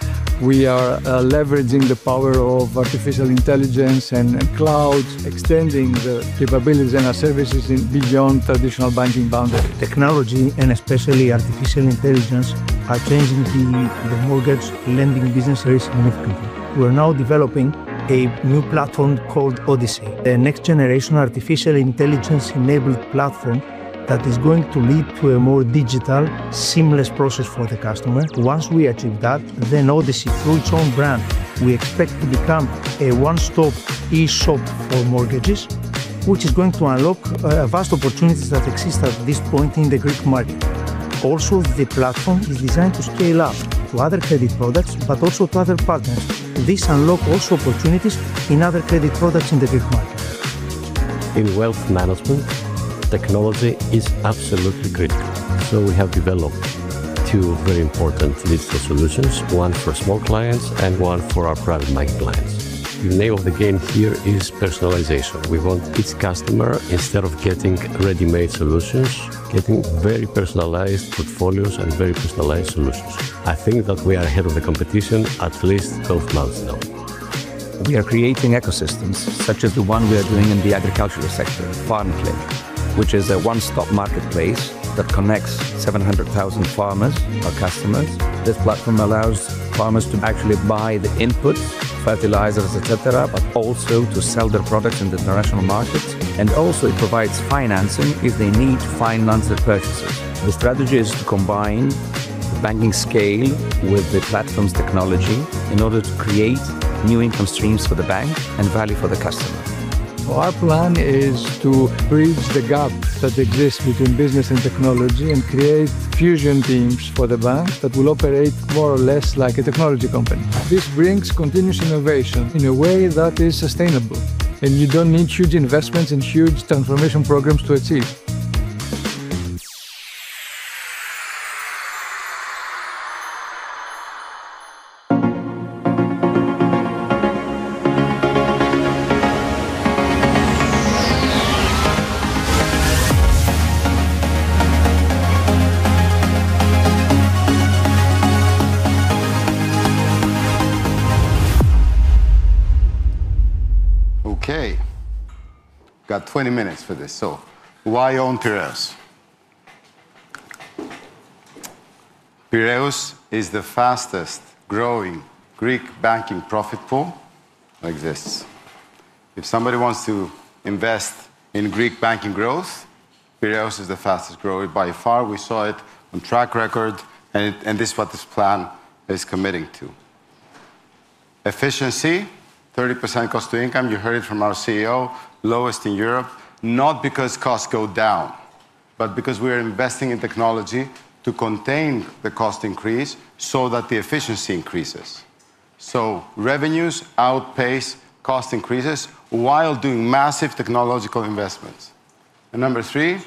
B: We are leveraging the power of artificial intelligence and clouds, extending the capabilities and our services beyond traditional banking boundaries. Technology, especially artificial intelligence, are changing the mortgage lending business very significantly. We're now developing a new platform called Odyssey, a next-generation artificial intelligence-enabled platform that is going to lead to a more digital, seamless process for the customer. Once we achieve that, Odyssey, through its own brand, we expect to become a one-stop e-shop for mortgages, which is going to unlock vast opportunities that exist at this point in the Greek market. The platform is designed to scale up to other credit products, also to other partners. This unlock also opportunities in other credit products in the Greek market. In wealth management, technology is absolutely critical. We have developed 2 very important digital solutions, one for small clients and one for our private banking clients. The name of the game here is personalization. We want each customer, instead of getting ready-made solutions, getting very personalized portfolios and very personalized solutions. I think that we are ahead of the competition at least 12 months now. We are creating ecosystems such as the one we are doing in the agricultural sector, FarmClick, which is a one-stop marketplace that connects 700,000 farmers, our customers. This platform allows farmers to actually buy the input, fertilizers, et cetera, but also to sell their product in the international markets, and also it provides financing if they need to finance their purchases. The strategy is to combine the banking scale with the platform's technology in order to create new income streams for the bank and value for the customer. Our plan is to bridge the gap that exists between business and technology and create fusion teams for the bank that will operate more or less like a technology company. This brings continuous innovation in a way that is sustainable, you don't need huge investments and huge transformation programs to achieve.
E: Okay. Got 20 minutes for this. Why own Piraeus? Piraeus is the fastest-growing Greek banking profit pool like this. If somebody wants to invest in Greek banking growth, Piraeus is the fastest growing by far. We saw it on track record and this is what this plan is committing to. Efficiency, 30% cost to income, you heard it from our CEO, lowest in Europe, not because costs go down, but because we are investing in technology to contain the cost increase so that the efficiency increases. Revenues outpace cost increases while doing massive technological investments. Number three,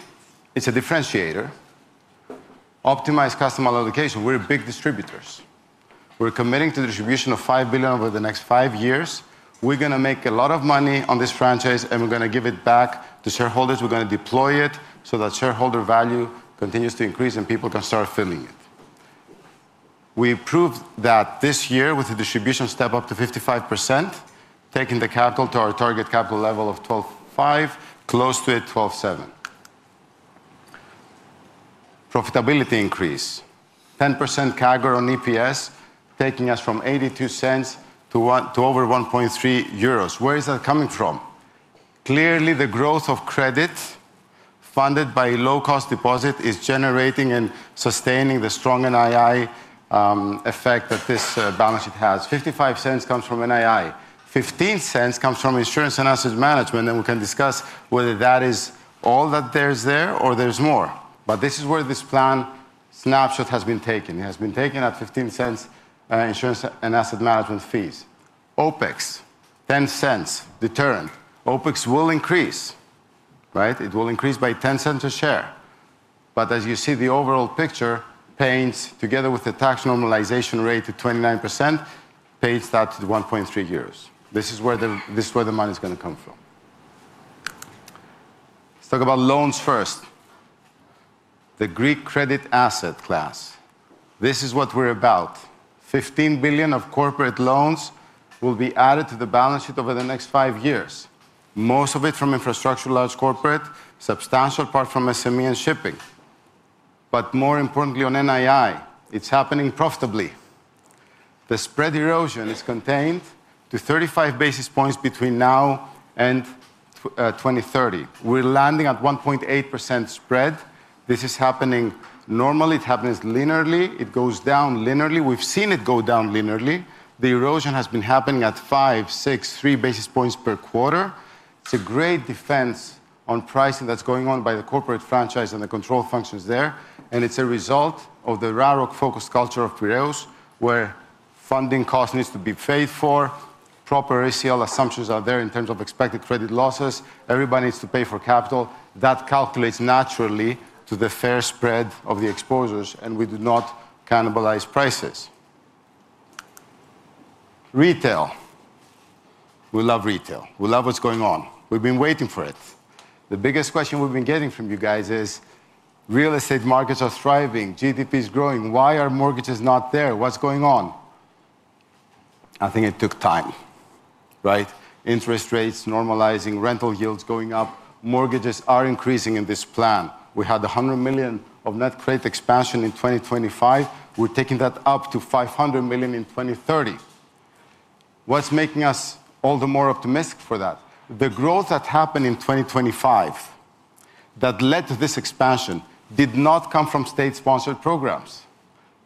E: it's a differentiator. Optimized customer allocation. We're big distributors. We're committing to the distribution of 5 billion over the next five years. We're gonna make a lot of money on this franchise, and we're gonna give it back to shareholders. We're gonna deploy it so that shareholder value continues to increase and people can start feeling it. We proved that this year with the distribution step up to 55%, taking the capital to our target capital level of 12.5, close to it, 12.7. Profitability increase, 10% CAGR on EPS, taking us from 0.82 to 1, to over 1.3 euros. Where is that coming from? Clearly, the growth of credit funded by low-cost deposit is generating and sustaining the strong NII effect that this balance sheet has. 0.55 comes from NII. 0.15 comes from insurance and assets management, and we can discuss whether that is all that there is there or there's more. This is where this plan snapshot has been taken. It has been taken at 0.15 insurance and asset management fees. OpEx, 0.10, the turn. OpEx will increase, right? It will increase by 0.10 a share. As you see, the overall picture paints, together with the tax normalization rate to 29%, paints that to 1.3 euros. This is where the money's gonna come from. Let's talk about loans first. The Greek credit asset class, this is what we're about. 15 billion of corporate loans will be added to the balance sheet over the next five years, most of it from infrastructure, large corporate, substantial part from SME and shipping. More importantly, on NII, it's happening profitably. The spread erosion is contained to 35 basis points between now and 2030. We're landing at 1.8% spread. This is happening normally. It happens linearly. It goes down linearly. We've seen it go down linearly. The erosion has been happening at 5, 6, 3 basis points per quarter. It's a great defense on pricing that's going on by the corporate franchise and the control functions there. It's a result of the RaRoC-focused culture of Piraeus, where funding cost needs to be paid for, proper ACL assumptions are there in terms of expected credit losses. Everybody needs to pay for capital. That calculates naturally to the fair spread of the exposures. We do not cannibalize prices. Retail. We love retail. We love what's going on. We've been waiting for it. The biggest question we've been getting from you guys is, real estate markets are thriving, GDP is growing, why are mortgages not there? What's going on? I think it took time, right? Interest rates normalizing, rental yields going up, mortgages are increasing in this plan. We had 100 million of net credit expansion in 2025. We're taking that up to 500 million in 2030. What's making us all the more optimistic for that? The growth that happened in 2025 that led to this expansion did not come from state-sponsored programs.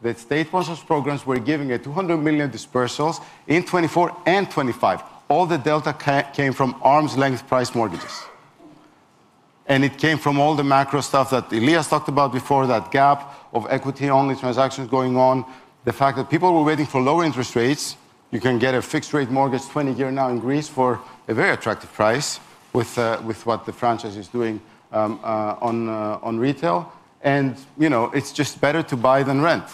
E: The state-sponsored programs were giving 200 million dispersals in 2024 and 2025. All the delta came from arm's length price mortgages. It came from all the macro stuff that Elias talked about before, that gap of equity-only transactions going on, the fact that people were waiting for lower interest rates. You can get a fixed rate mortgage 20-year now in Greece for a very attractive price with what the franchise is doing, on retail and, you know, it's just better to buy than rent.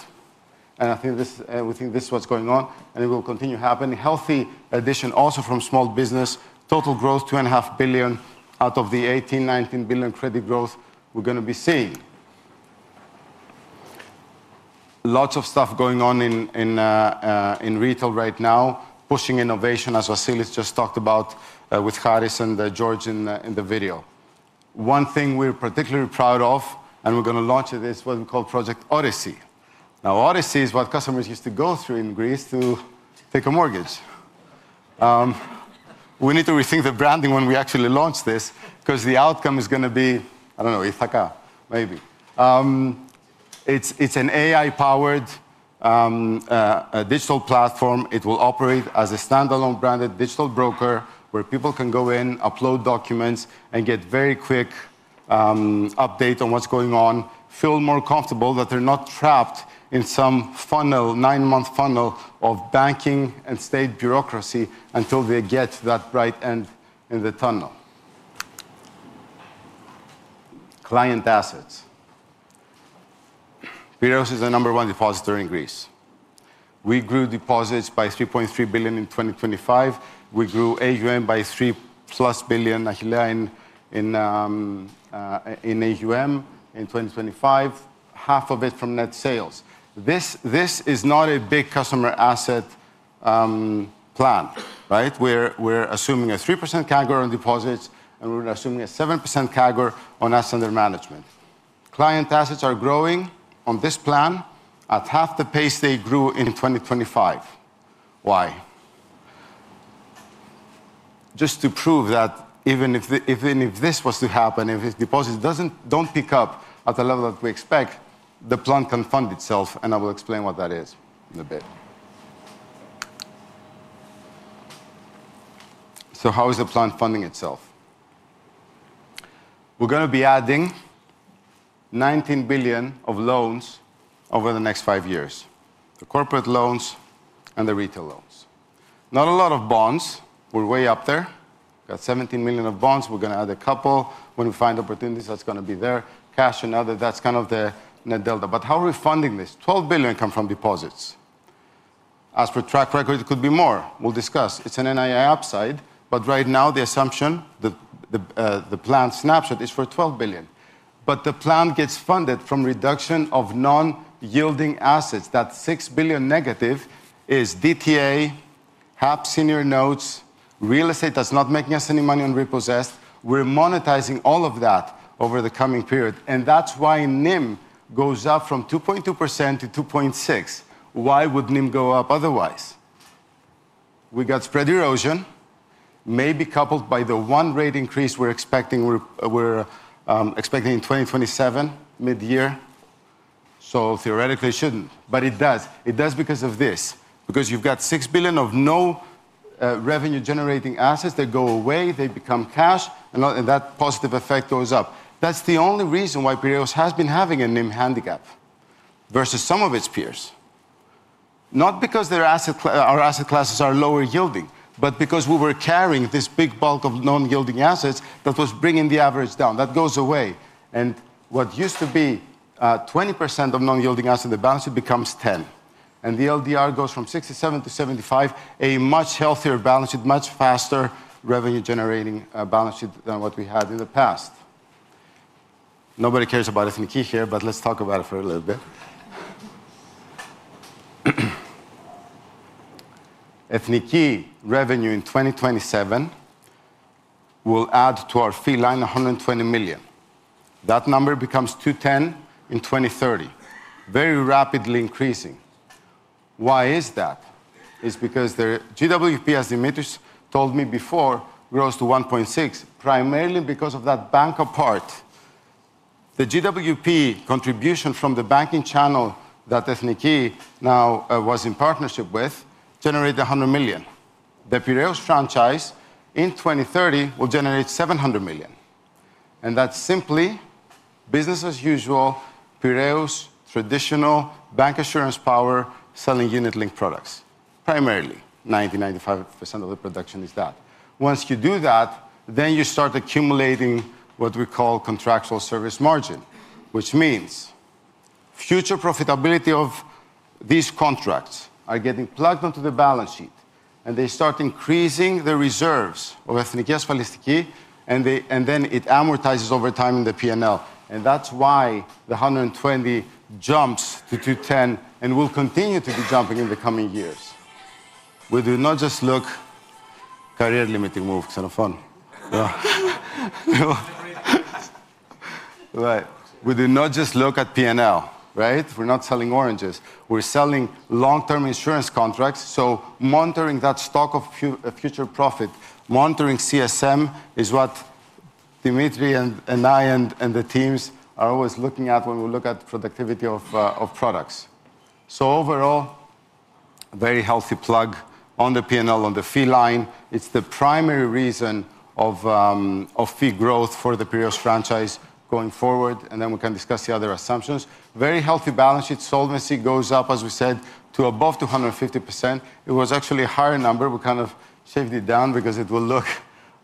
E: I think this, we think this is what's going on, and it will continue to happen. Healthy addition also from small business, total growth, 2.5 billion out of the 18 billion-19 billion credit growth we're gonna be seeing. Lots of stuff going on in retail right now, pushing innovation, as Vasilis just talked about with Haris and George in the video. One thing we're particularly proud of, and we're gonna launch it, is what we call Project Odyssey. Odyssey is what customers used to go through in Greece to take a mortgage. We need to rethink the branding when we actually launch this, 'cause the outcome is gonna be, I don't know, Ithaca, maybe. It's, it's an AI-powered digital platform. It will operate as a standalone branded digital broker where people can go in, upload documents, and get very quick update on what's going on, feel more comfortable that they're not trapped in some funnel, nine-month funnel of banking and state bureaucracy until they get to that bright end in the tunnel. Client assets. Piraeus is the number one depositor in Greece. We grew deposits by 3.3 billion in 2025. We grew AUM by 3+ billion, Achilleas, in AUM in 2025, half of it from net sales. This is not a big customer asset plan, right? We're assuming a 3% CAGR on deposits, and we're assuming a 7% CAGR on assets under management. Client assets are growing on this plan at half the pace they grew in 2025. Why? Just to prove that even if this was to happen, if deposits don't pick up at the level that we expect, the plan can fund itself, and I will explain what that is in a bit. How is the plan funding itself? We're gonna be adding 19 billion of loans over the next five years. The corporate loans and the retail loans. Not a lot of bonds. We're way up there. Got 17 million of bonds. We're gonna add a couple when we find opportunities, that's gonna be there. Cash and other, that's kind of the net delta. How are we funding this? 12 billion come from deposits. As per track record, it could be more. We'll discuss. It's an NII upside, but right now, the assumption, the plan snapshot is for 12 billion. The plan gets funded from reduction of non-yielding assets. That 6 billion negative is DTA, HAPS senior notes, real estate that's not making us any money on repossessed. We're monetizing all of that over the coming period, that's why NIM goes up from 2.2% to 2.6%. Why would NIM go up otherwise? We got spread erosion, maybe coupled by the one rate increase we're expecting, we're expecting in 2027 mid-year. Theoretically, it shouldn't, but it does. It does because of this, because you've got 6 billion of no revenue-generating assets. They go away, they become cash, and that positive effect goes up. That's the only reason why Piraeus has been having a NIM handicap versus some of its peers. Not because our asset classes are lower yielding, but because we were carrying this big bulk of non-yielding assets that was bringing the average down. That goes away. What used to be 20% of non-yielding assets in the balance sheet becomes 10, and the LDR goes from 67 to 75, a much healthier balance sheet, much faster revenue generating balance sheet than what we had in the past. Nobody cares about Ethniki here, but let's talk about it for a little bit. Ethniki revenue in 2027 will add to our fee line 120 million. That number becomes 210 million in 2030. Very rapidly increasing. Why is that? It's because their GWP, as Dimitris told me before, grows to 1.6, primarily because of that bank apart. The GWP contribution from the banking channel that Ethniki was in partnership with, generated 100 million. The Piraeus franchise in 2030 will generate 700 million, and that's simply business as usual, Piraeus traditional bancassurance power selling unit-linked products, primarily. 90%-95% of the production is that. Once you do that, then you start accumulating what we call contractual service margin, which means future profitability of these contracts are getting plugged onto the balance sheet and they start increasing the reserves of Ethniki Asfalistiki and then it amortizes over time in the P&L. That's why the 120 jumps to 210 and will continue to be jumping in the coming years. We do not just look... Career limiting move, Xenofon. Right. We do not just look at P&L, right? We're not selling oranges. We're selling long-term insurance contracts, monitoring that stock of future profit, monitoring CSM is what Dimitri and I and the teams are always looking at when we look at productivity of products. Overall, very healthy plug on the P&L, on the fee line. It's the primary reason of fee growth for the Piraeus franchise going forward, we can discuss the other assumptions. Very healthy balance sheet. Solvency goes up, as we said, to above 250%. It was actually a higher number. We, kind of, shaved it down because it will look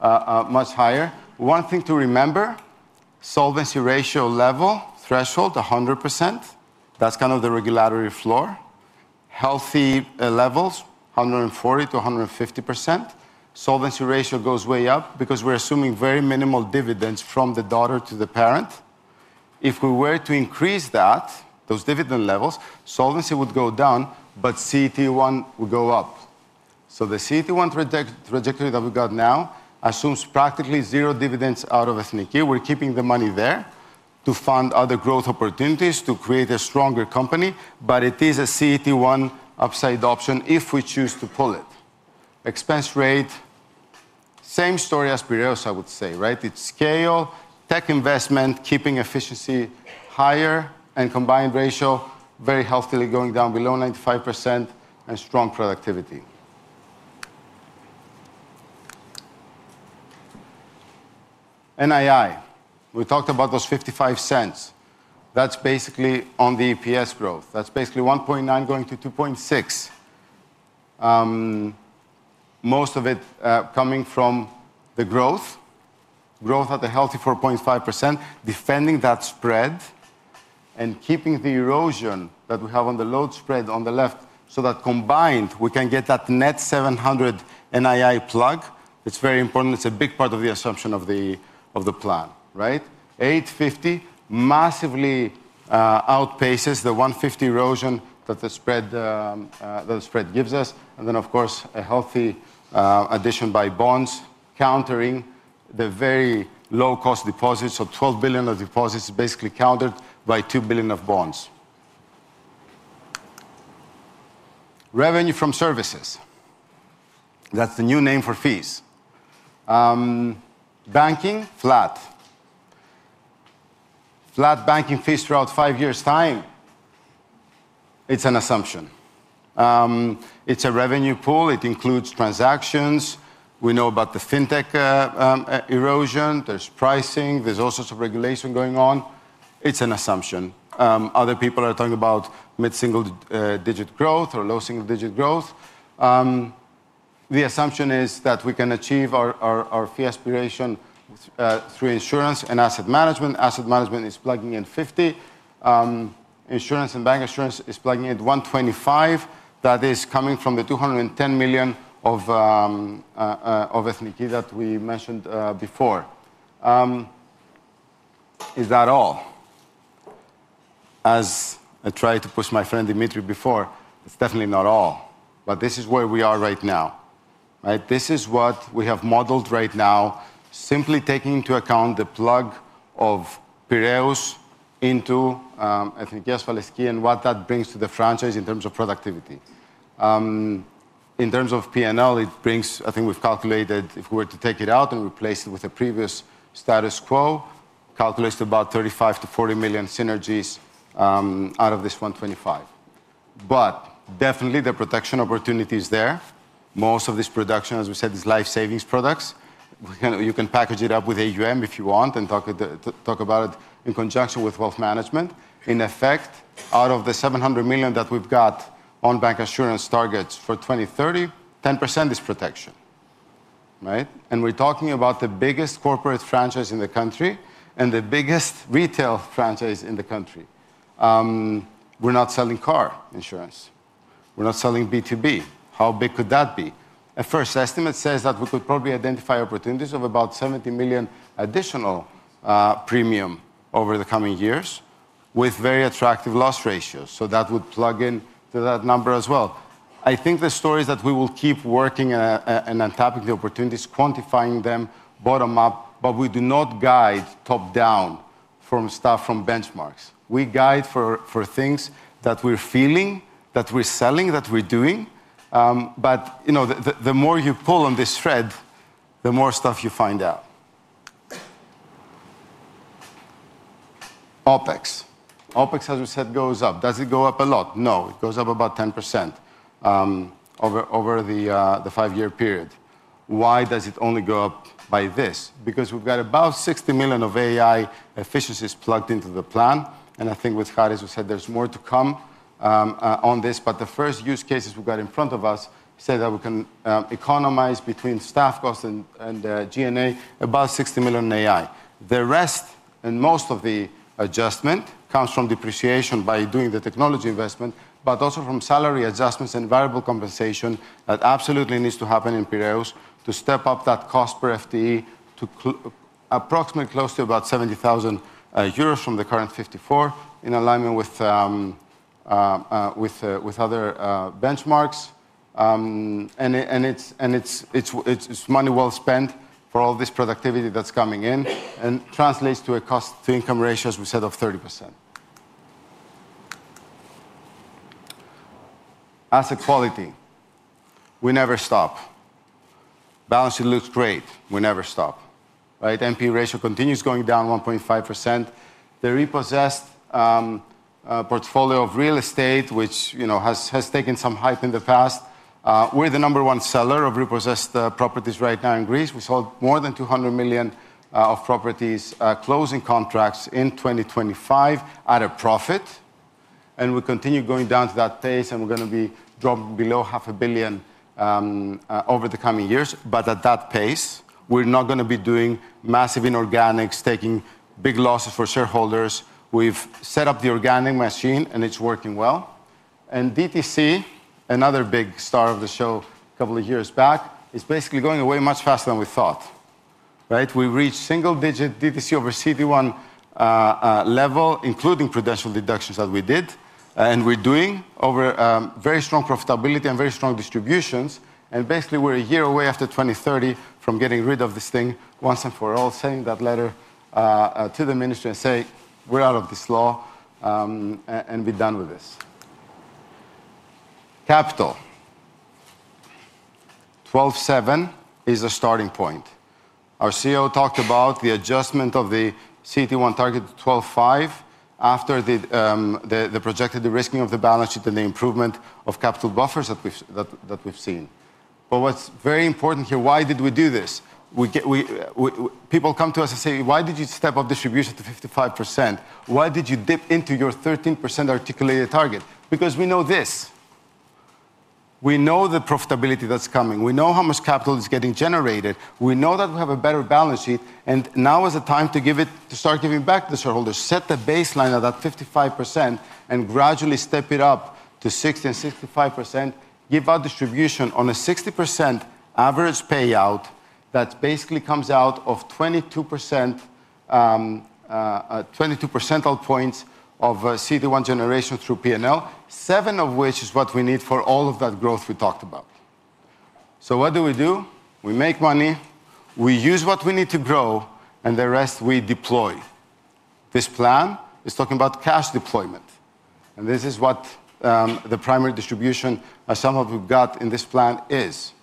E: much higher. One thing to remember, solvency ratio level threshold, 100%. That's, kind of, the regulatory floor. Healthy levels, 140%-150%. Solvency ratio goes way up because we're assuming very minimal dividends from the daughter to the parent. If we were to increase that, those dividend levels, solvency would go down, but CET1 would go up. The CET1 trajectory that we've got now assumes practically zero dividends out of Ethniki. We're keeping the money there to fund other growth opportunities to create a stronger company, but it is a CET1 upside option if we choose to pull it. Expense rate, same story as Piraeus, I would say, right? It's scale, tech investment, keeping efficiency higher and combined ratio very healthily going down below 95% and strong productivity. NII, we talked about those 0.55. That's basically on the EPS growth. That's basically 1.9 going to 2.6. Most of it coming from the growth. Growth at a healthy 4.5%, defending that spread and keeping the erosion that we have on the load spread on the left, so that combined, we can get that net 700 million NII plug. It's very important. It's a big part of the assumption of the plan, right? 850 million massively outpaces the 150 million erosion that the spread gives us. Of course, a healthy addition by bonds countering the very low-cost deposits of 12 billion of deposits basically countered by 2 billion of bonds. Revenue from services. That's the new name for fees. Banking, flat. Flat banking fees throughout five years' time. It's an assumption. It's a revenue pool. It includes transactions. We know about the fintech erosion. There's pricing. There's all sorts of regulation going on. It's an assumption. Other people are talking about mid-single digit growth or low single digit growth. The assumption is that we can achieve our, our fee aspiration, through insurance and asset management. Asset management is plugging in 50 million. Insurance and bank insurance is plugging in 125 million. That is coming from the 210 million of Ethniki that we mentioned before. Is that all? As I tried to push my friend Dimitri before, it's definitely not all, but this is where we are right now, right? This is what we have modeled right now, simply taking into account the plug of Piraeus into Ethniki Asfalistiki and what that brings to the franchise in terms of productivity. In terms of P&L, it brings, I think we've calculated, if we were to take it out and replace it with the previous status quo, calculates to about 35 million-40 million synergies out of this 125 million million. Definitely the protection opportunity is there. Most of this production, as we said, is life savings products. You can package it up with AUM if you want and talk about it in conjunction with wealth management. In effect, out of the 700 million that we've got on bancassurance targets for 2030, 10% is protection, right? We're talking about the biggest corporate franchise in the country and the biggest retail franchise in the country. We're not selling car insurance. We're not selling B2B. How big could that be? At first, estimate says that we could probably identify opportunities of about 70 million additional premium over the coming years with very attractive loss ratios. That would plug in to that number as well. I think the story is that we will keep working and on top of the opportunities, quantifying them bottom up, we do not guide top down from stuff, from benchmarks. We guide for things that we're feeling, that we're selling, that we're doing. You know, the more you pull on this thread, the more stuff you find out. OpEx. OpEx, as we said, goes up. Does it go up a lot? No, it goes up about 10% over the five-year period. Why does it only go up by this? We've got about 60 million of AI efficiencies plugged into the plan, and I think with Hari, as we said, there's more to come on this. The first use cases we've got in front of us say that we can economize between staff costs and G&A about 60 million in AI. The rest and most of the adjustment comes from depreciation by doing the technology investment, but also from salary adjustments and variable compensation that absolutely needs to happen in Piraeus to step up that cost per FTE to approximately close to about 70,000 euros from the current 54 million, in alignment with other benchmarks. It's money well spent for all this productivity that's coming in and translates to a cost to income ratio, as we said, of 30%. Asset quality, we never stop. Balance sheet looks great. We never stop, right? NPE ratio continues going down 1.5%. The repossessed portfolio of real estate, which, you know, has taken some hype in the past, we're the number one seller of repossessed properties right now in Greece. We sold more than 200 million of properties, closing contracts in 2025 at a profit, and we continue going down to that pace, and we're gonna be dropping below 500 million over the coming years. At that pace, we're not gonna be doing massive inorganics, taking big losses for shareholders. We've set up the organic machine, and it's working well. DTC, another big star of the show a couple of years back, is basically going away much faster than we thought, right? We reached single-digit DTC over CET1 level, including prudential deductions that we did, and we're doing very strong profitability and very strong distributions. Basically, we're a year away after 2030 from getting rid of this thing once and for all, sending that letter to the minister and say, "We're out of this law," and be done with this. Capital. 12.7 is the starting point. Our CEO talked about the adjustment of the CET1 target to 12.5 after the projected de-risking of the balance sheet and the improvement of capital buffers that we've seen. What's very important here, why did we do this? People come to us and say, "Why did you step up distribution to 55%? Why did you dip into your 13% articulated target?" We know this. We know the profitability that's coming. We know how much capital is getting generated. Now is the time to give it, to start giving back to the shareholders, set the baseline at that 55%, and gradually step it up to 60% and 65%, give out distribution on a 60% average payout that basically comes out of 22%, 22 percentile points of CET1 generation through P&L, 7 of which is what we need for all of that growth we talked about. What do we do? We make money, we use what we need to grow, and the rest we deploy. This plan is talking about cash deployment, and this is what the primary distribution assumption we've got in this plan is.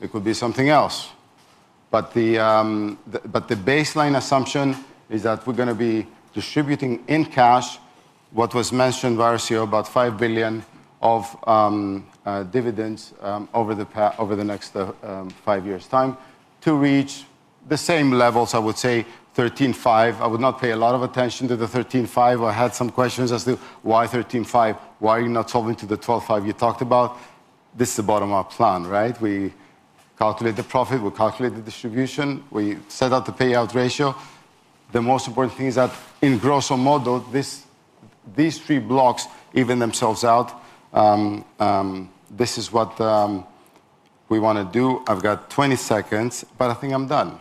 E: It could be something else. The baseline assumption is that we're gonna be distributing in cash what was mentioned by our CEO, about 5 billion of dividends over the next five years' time to reach the same levels, I would say, 13.5. I would not pay a lot of attention to the 13.5. I had some questions as to why 13.5? Why are you not talking to the 12.5 you talked about? This is a bottom-up plan, right? We calculate the profit, we calculate the distribution, we set out the payout ratio. The most important thing is that in gross on model, these three blocks even themselves out. This is what we wanna do. I've got 20 seconds, but I think I'm done.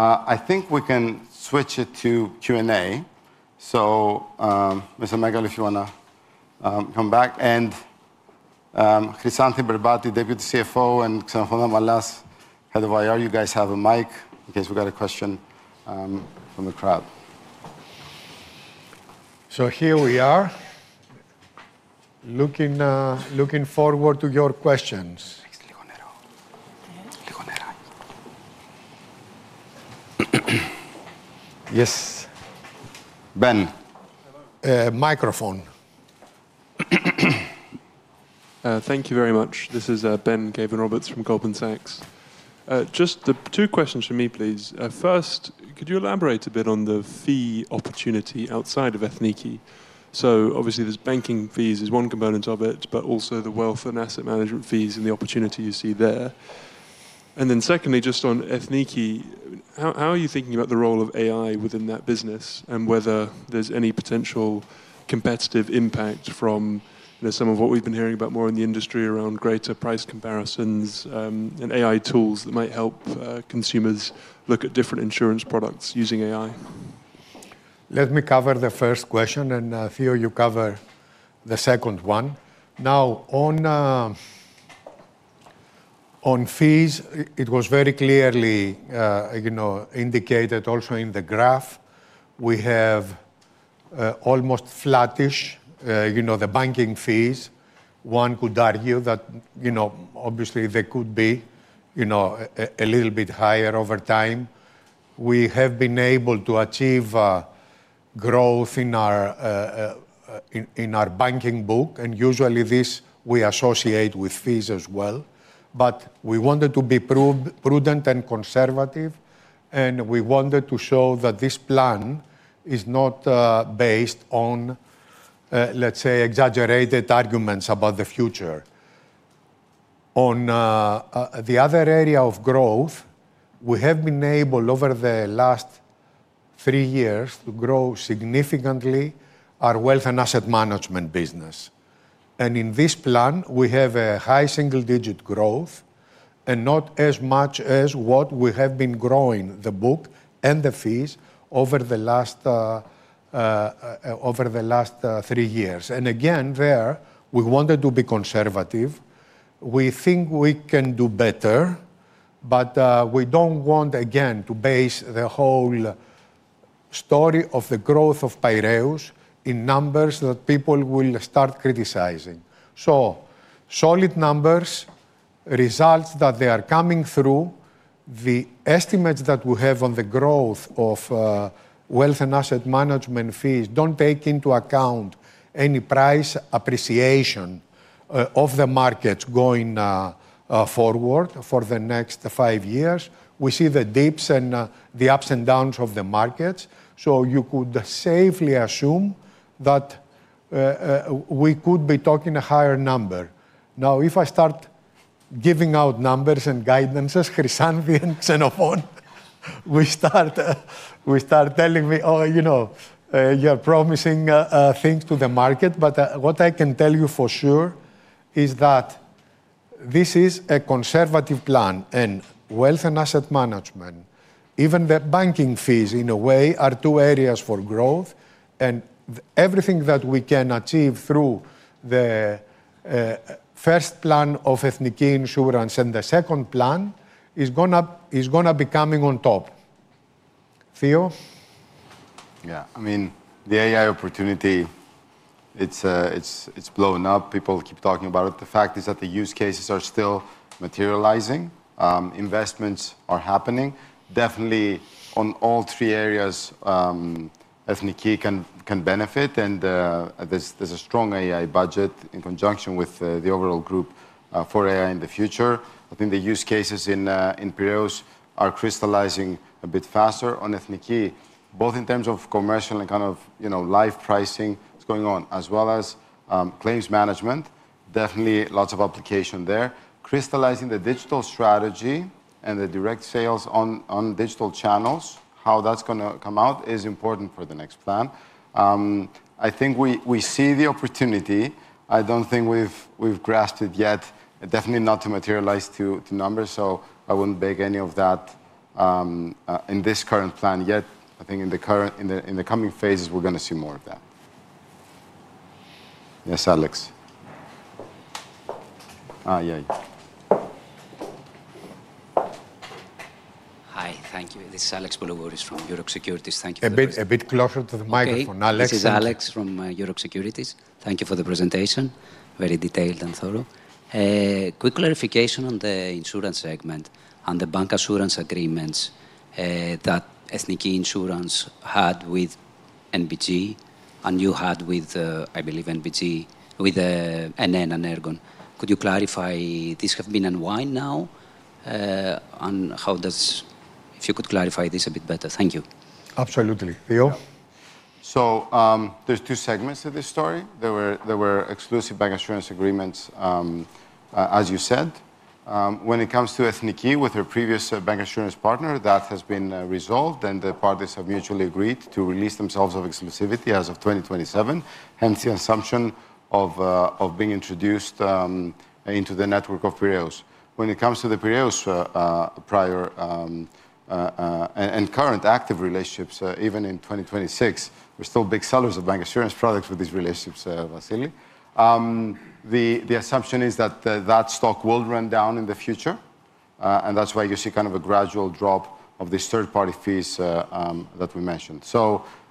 E: I think we can switch it to Q&A. Mr. Megalou, if you wanna come back and Chryssanthi Berbati, Deputy CFO, and Xenofon Damalas, Head of IR, you guys have a mic in case we got a question from the crowd. Here we are, looking forward to your questions.
C: Yes.
E: Ben.
C: microphone.
G: Thank you very much. This is Ben Caven-Roberts from Goldman Sachs. Just the two questions from me, please. First, could you elaborate a bit on the fee opportunity outside of Ethniki? Obviously there's banking fees is one component of it, but also the wealth and asset management fees and the opportunity you see there. Secondly, just on Ethniki, how are you thinking about the role of AI within that business and whether there's any potential competitive impact from, you know, some of what we've been hearing about more in the industry around greater price comparisons, and AI tools that might help consumers look at different insurance products using AI?
C: Let me cover the first question, and Theo, you cover the second one. On fees, it was very clearly, you know, indicated also in the graph. We have almost flattish, you know, the banking fees. One could argue that, you know, obviously they could be, you know, a little bit higher over time. We have been able to achieve growth in our in our banking book, and usually this we associate with fees as well. We wanted to be prudent and conservative, and we wanted to show that this plan is not based on, let's say, exaggerated arguments about the future. On the other area of growth, we have been able, over the last three years, to grow significantly our wealth and asset management business. In this plan, we have a high single-digit growth and not as much as what we have been growing the book and the fees over the last, over the last 3 years. Again, there, we wanted to be conservative. We think we can do better, but we don't want, again, to base the whole story of the growth of Piraeus in numbers that people will start criticizing. Solid numbers, results that they are coming through. The estimates that we have on the growth of wealth and asset management fees don't take into account any price appreciation of the markets going forward for the next 5 years. We see the dips and the ups and downs of the markets, so you could safely assume that we could be talking a higher number. Now, if I start giving out numbers and guidances, Chryssanthi and Xenofon will start telling me, "Oh, you know, you're promising things to the market." What I can tell you for sure is that this is a conservative plan, and wealth and asset management, even the banking fees, in a way, are two areas for growth. Everything that we can achieve through the first plan of Ethniki Insurance and the second plan is gonna be coming on top. Theo?
E: I mean, the AI opportunity, it's blowing up. People keep talking about it. The fact is that the use cases are still materializing. Investments are happening. Definitely on all three areas, Ethniki can benefit, and there's a strong AI budget in conjunction with the overall group for AI in the future. I think the use cases in Piraeus are crystallizing a bit faster on Ethniki, both in terms of commercial and, kind of, you know, life pricing that's going on, as well as claims management. Definitely lots of application there. Crystallizing the digital strategy and the direct sales on digital channels, how that's gonna come out is important for the next plan. I think we see the opportunity. I don't think we've grasped it yet. Definitely not to materialize to numbers, I wouldn't bake any of that in this current plan yet. I think in the coming phases, we're gonna see more of that. Yes, Alex. Yeah, yeah.
H: Hi. Thank you. This is Alex Boulougouris from Euroxx Securities. Thank you for the.
C: A bit closer to the microphone, Alex.
H: Okay. This is Alexandros Boulougouris from Euroxx Securities. Thank you for the presentation. Very detailed and thorough. Quick clarification on the insurance segment, on the bancassurance agreements that Ethniki Insurance had with NBG, and you had with, I believe NBG, with NN and Ergon. Could you clarify, these have been unwound now? If you could clarify this a bit better. Thank you.
C: Absolutely. Theo?
E: Yeah. There's two segments to this story. There were exclusive bancassurance agreements, as you said. When it comes to Ethniki with her previous bancassurance partner, that has been resolved, and the parties have mutually agreed to release themselves of exclusivity as of 2027, hence the assumption of being introduced into the network of Piraeus. When it comes to the Piraeus prior and current active relationships, even in 2026, we're still big sellers of bancassurance products with these relationships, Vassili. The assumption is that the stock will run down in the future, and that's why you see kind of a gradual drop of these third-party fees that we mentioned.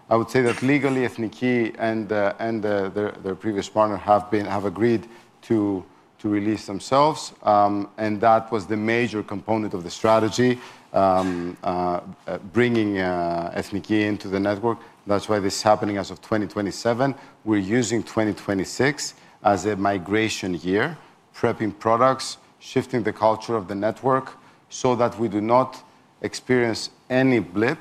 E: I would say that legally Ethniki and their previous partner have agreed to release themselves, and that was the major component of the strategy, bringing Ethniki into the network. That's why this is happening as of 2027. We're using 2026 as a migration year, prepping products, shifting the culture of the network, so that we do not experience any blip,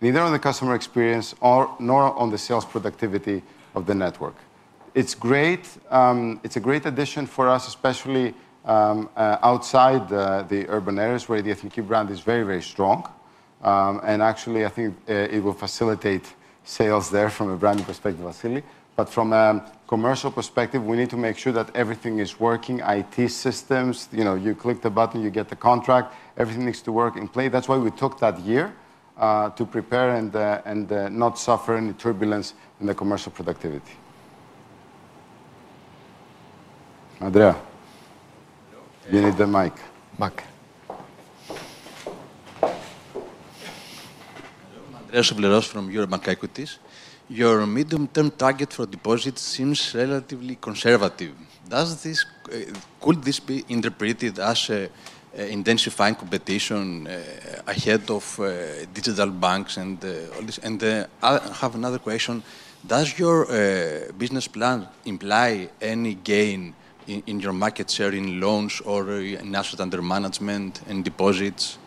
E: neither on the customer experience or nor on the sales productivity of the network. It's great, it's a great addition for us, especially outside the urban areas where the Ethniki brand is very, very strong. Actually, I think it will facilitate sales there from a branding perspective, Vassili. From a commercial perspective, we need to make sure that everything is working, IT systems. You know, you click the button, you get the contract. Everything needs to work in play. That's why we took that year to prepare and not suffer any turbulence in the commercial productivity. Andreas, you need the mic.
C: Mic.
I: Hello. I'm Andreas Souvleros from Eurobank Equities. Your medium-term target for deposits seems relatively conservative. Could this be interpreted as an intensifying competition ahead of digital banks and all this? I have another question. Does your business plan imply any gain in your market share in loans or in assets under management and deposits?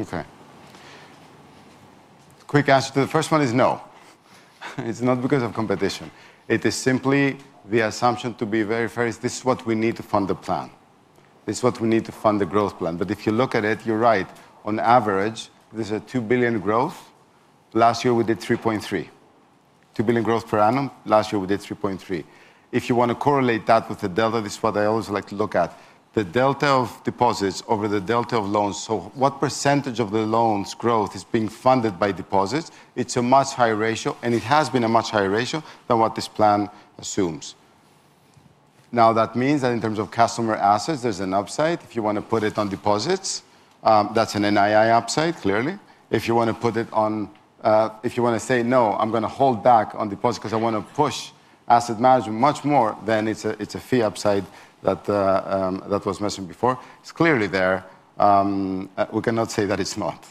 E: Okay. Quick answer to the first one is no. It's not because of competition. It is simply the assumption, to be very fair, is this is what we need to fund the plan. This is what we need to fund the growth plan. If you look at it, you're right. On average, this is a 2 billion growth. Last year, we did 3.3 billion. 2 billion growth per annum. Last year, we did 3.3 billion. If you want to correlate that with the delta, this is what I always like to look at, the delta of deposits over the delta of loans. What % of the loans growth is being funded by deposits? It's a much higher ratio, and it has been a much higher ratio than what this plan assumes. That means that in terms of customer assets, there's an upside. If you wanna put it on deposits, that's an NII upside, clearly. If you wanna put it on, if you wanna say, "No, I'm gonna hold back on deposits 'cause I wanna push asset management much more," then it's a, it's a fee upside that was mentioned before. It's clearly there, we cannot say that it's not.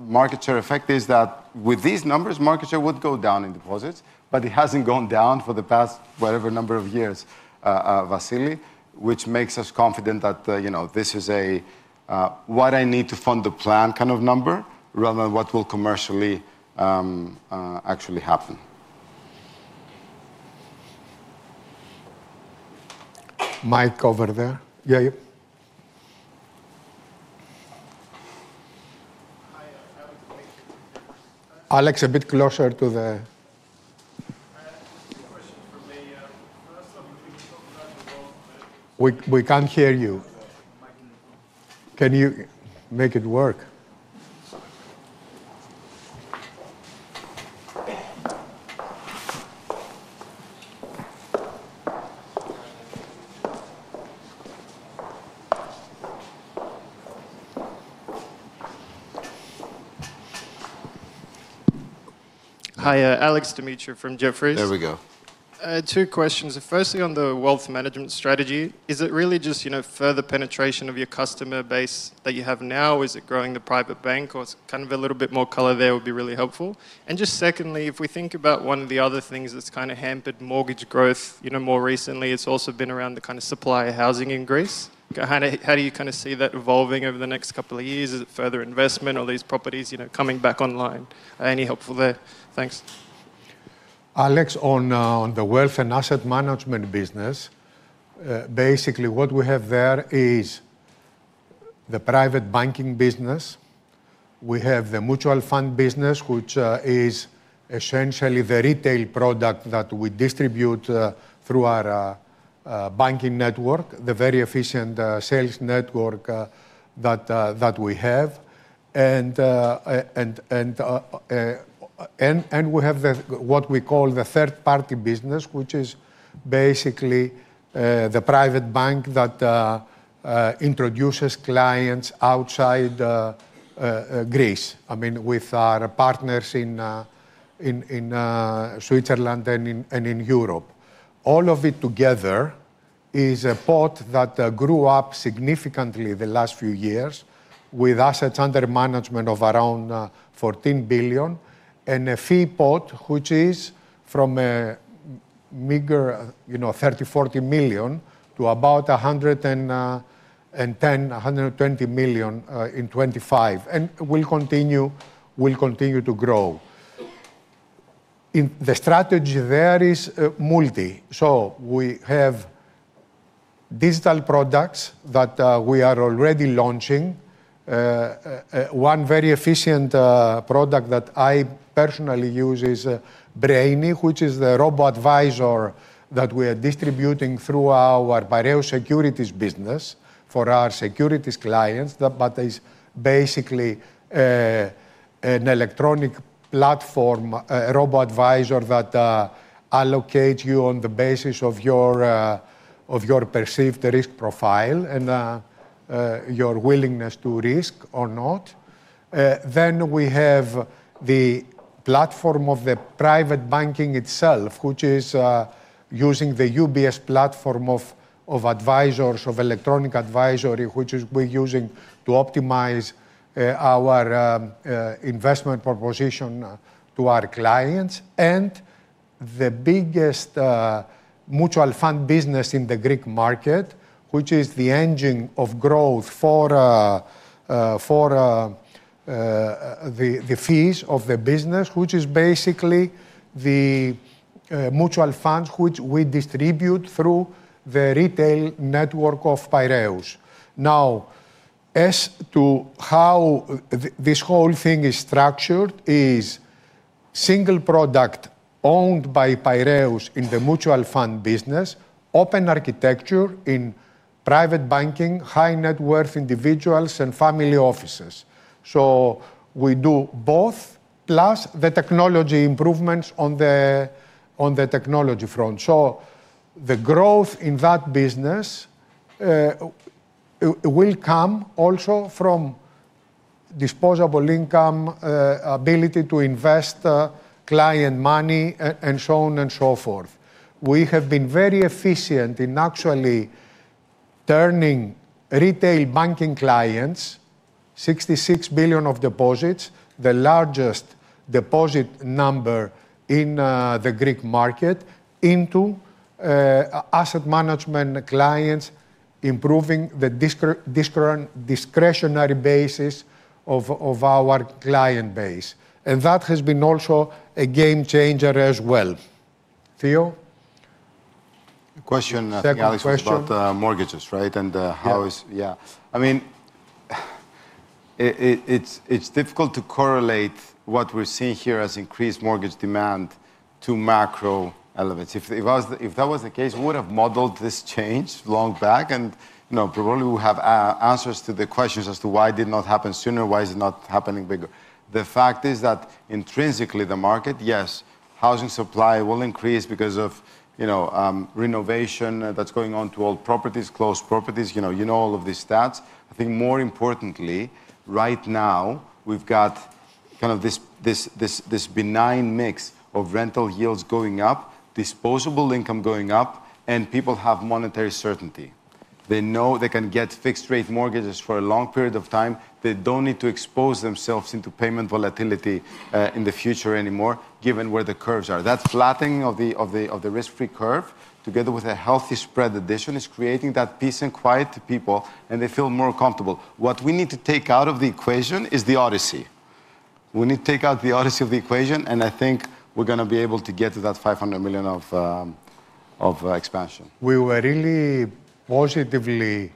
E: Market share effect is that with these numbers, market share would go down in deposits, but it hasn't gone down for the past whatever number of years, Vassili, which makes us confident that, you know, this is a what I need to fund the plan kind of number rather than what will commercially actually happen. Mic over there. Yeah, yeah.
J: Hi, I have a question.
E: Alex, a bit closer to the...
J: I have two questions for me. First, I'm looking for the loans.
E: We can't hear you....
J: the microphone.
E: Can you make it work?
J: Sorry. Hi, Alex Demetriou from Jefferies.
E: There we go.
J: I have two questions. Firstly, on the wealth management strategy, is it really just, you know, further penetration of your customer base that you have now? Is it growing the private bank? Or kind of a little bit more color there would be really helpful. Just secondly, if we think about one of the other things that's kinda hampered mortgage growth, you know, more recently, it's also been around the kinda supply of housing in Greece. How do you kinda see that evolving over the next couple of years? Is it further investment? Are these properties, you know, coming back online? Any help for there? Thanks.
C: Alex, on the wealth and asset management business, basically what we have there is the private banking business. We have the mutual fund business, which is essentially the retail product that we distribute through our banking network, the very efficient sales network that we have. We have what we call the third-party business, which is basically the private bank that introduces clients outside Greece. I mean, with our partners in Switzerland and in Europe. All of it together is a pot that grew up significantly the last few years with assets under management of around 14 billion and a fee pot, which is from a meager, you know, 30 million- 40 million to about 110 million- 120 million in 2025, and will continue to grow. In the strategy, there is multi. We have digital products that we are already launching. One very efficient product that I personally use is Brainy, which is the robo-advisor that we're distributing through our Piraeus Securities business for our securities clients. That, but is basically an electronic platform, a robo-advisor that allocates you on the basis of your. Of your perceived risk profile and your willingness to risk or not. We have the platform of the private banking itself which is using the UBS platform of advisors, of electronic advisory, which is we're using to optimize our investment proposition to our clients. The biggest mutual fund business in the Greek market, which is the engine of growth for the fees of the business, which is basically the mutual funds which we distribute through the retail network of Piraeus. As to how this whole thing is structured is single product owned by Piraeus in the mutual fund business, open architecture in private banking, high net worth individuals and family offices. We do both, plus the technology improvements on the technology front. The growth in that business will come also from disposable income, ability to invest, client money and so on and so forth. We have been very efficient in actually turning retail banking clients, 66 billion of deposits, the largest deposit number in the Greek market, into asset management clients, improving the discretionary basis of our client base. That has been also a game changer as well. Theo?
E: Question, I think Alex was about.
C: Second question....
E: mortgages, right?
C: Yeah
E: Yeah. I mean, it's difficult to correlate what we're seeing here as increased mortgage demand to macro elements. If, if that was, if that was the case, we would've modeled this change long back and, you know, probably would have answers to the questions as to why it did not happen sooner, why is it not happening bigger? The fact is that intrinsically the market, yes, housing supply will increase because of, you know, renovation that's going on to old properties, closed properties, you know, you know all of the stats. I think more importantly, right now we've got kind of this benign mix of rental yields going up, disposable income going up, and people have monetary certainty. They know they can get fixed rate mortgages for a long period of time. They don't need to expose themselves into payment volatility in the future anymore, given where the curves are. That flattening of the risk-free curve, together with a healthy spread addition, is creating that peace and quiet to people, and they feel more comfortable. What we need to take out of the equation is the Odyssey. We need to take out the Odyssey of the equation, and I think we're gonna be able to get to that 500 million of expansion.
C: We were really positively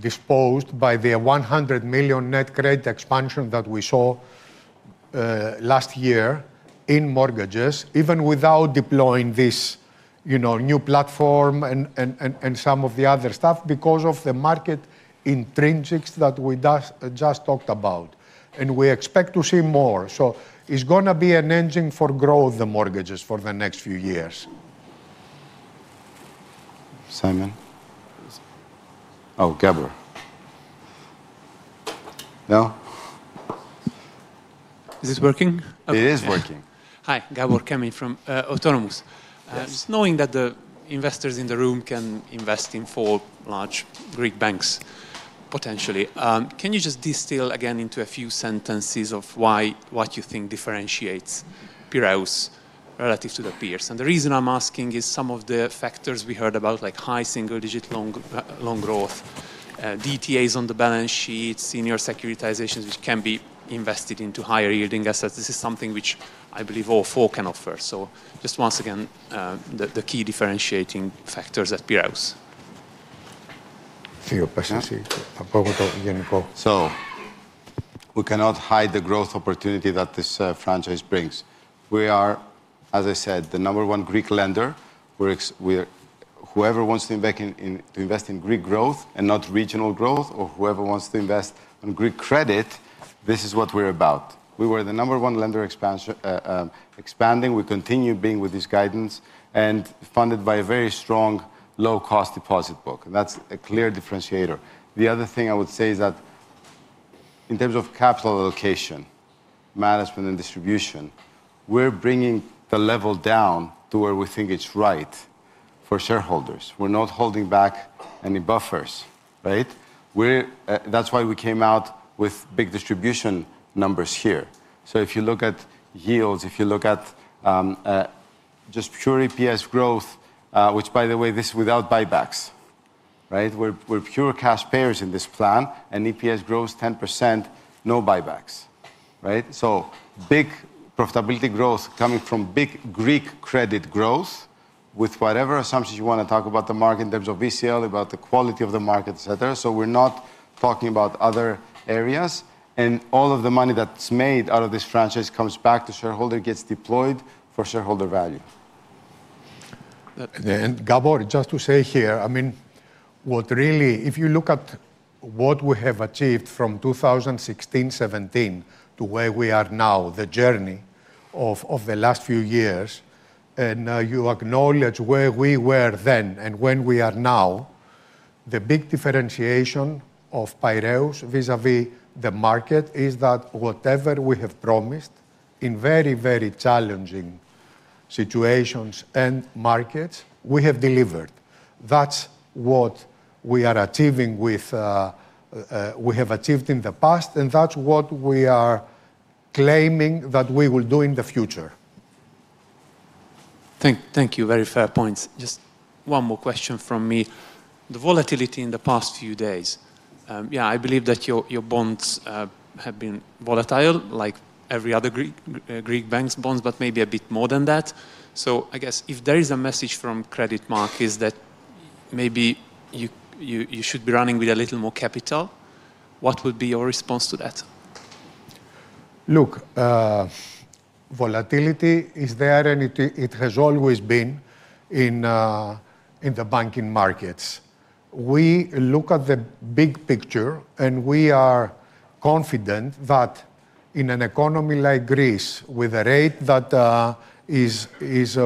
C: disposed by the 100 million net credit expansion that we saw last year in mortgages, even without deploying this, you know, new platform and some of the other stuff because of the market intrinsics that we just talked about. We expect to see more. It's gonna be an engine for growth, the mortgages, for the next few years.
E: Simon? Oh, Gabor. No?
K: Is this working?
E: It is working.
K: Hi. Gábor Kemeny from Autonomous.
E: Yes.
K: Just knowing that the investors in the room can invest in four large Greek banks, potentially, can you just distill again into a few sentences of why, what you think differentiates Piraeus relative to the peers? The reason I'm asking is some of the factors we heard about, like high single-digit long growth, DTAs on the balance sheet, senior securitizations which can be invested into higher yielding assets. This is something which I believe all four can offer. Just once again, the key differentiating factors at Piraeus.
C: Theo,
E: We cannot hide the growth opportunity that this franchise brings. We are, as I said, the number one Greek lender. Whoever wants to invest in Greek growth and not regional growth, or whoever wants to invest in Greek credit, this is what we're about. We were the number one lender expanding. We continue being with this guidance and funded by a very strong low cost deposit book. That's a clear differentiator. The other thing I would say is that in terms of capital allocation, management, and distribution, we're bringing the level down to where we think it's right for shareholders. We're not holding back any buffers, right? We're, that's why we came out with big distribution numbers here. If you look at yields, if you look at just pure EPS growth, which by the way, this is without buybacks, right? We're pure cash payers in this plan, and EPS grows 10%, no buybacks, right? Big profitability growth coming from big Greek credit growth with whatever assumptions you wanna talk about the market in terms of VCL, about the quality of the market, et cetera. We're not talking about other areas, and all of the money that's made out of this franchise comes back to shareholder, gets deployed for shareholder value.
C: Gabor, just to say here, I mean, what really, if you look at what we have achieved from 2016-2017 to where we are now, the journey of the last few years, you acknowledge where we were then and when we are now, the big differentiation of Piraeus vis-à-vis the market is that whatever we have promised in very, very challenging situations and markets, we have delivered. That's what we are achieving with, we have achieved in the past, and that's what we are claiming that we will do in the future.
K: Thank you. Very fair points. Just one more question from me. The volatility in the past few days, yeah, I believe that your bonds have been volatile like every other Greek bank's bonds, but maybe a bit more than that. I guess if there is a message from credit markets, is that maybe you should be running with a little more capital, what would be your response to that?
C: Look, volatility is there and it has always been in the banking markets. We look at the big picture. We are confident that in an economy like Greece, with a rate that is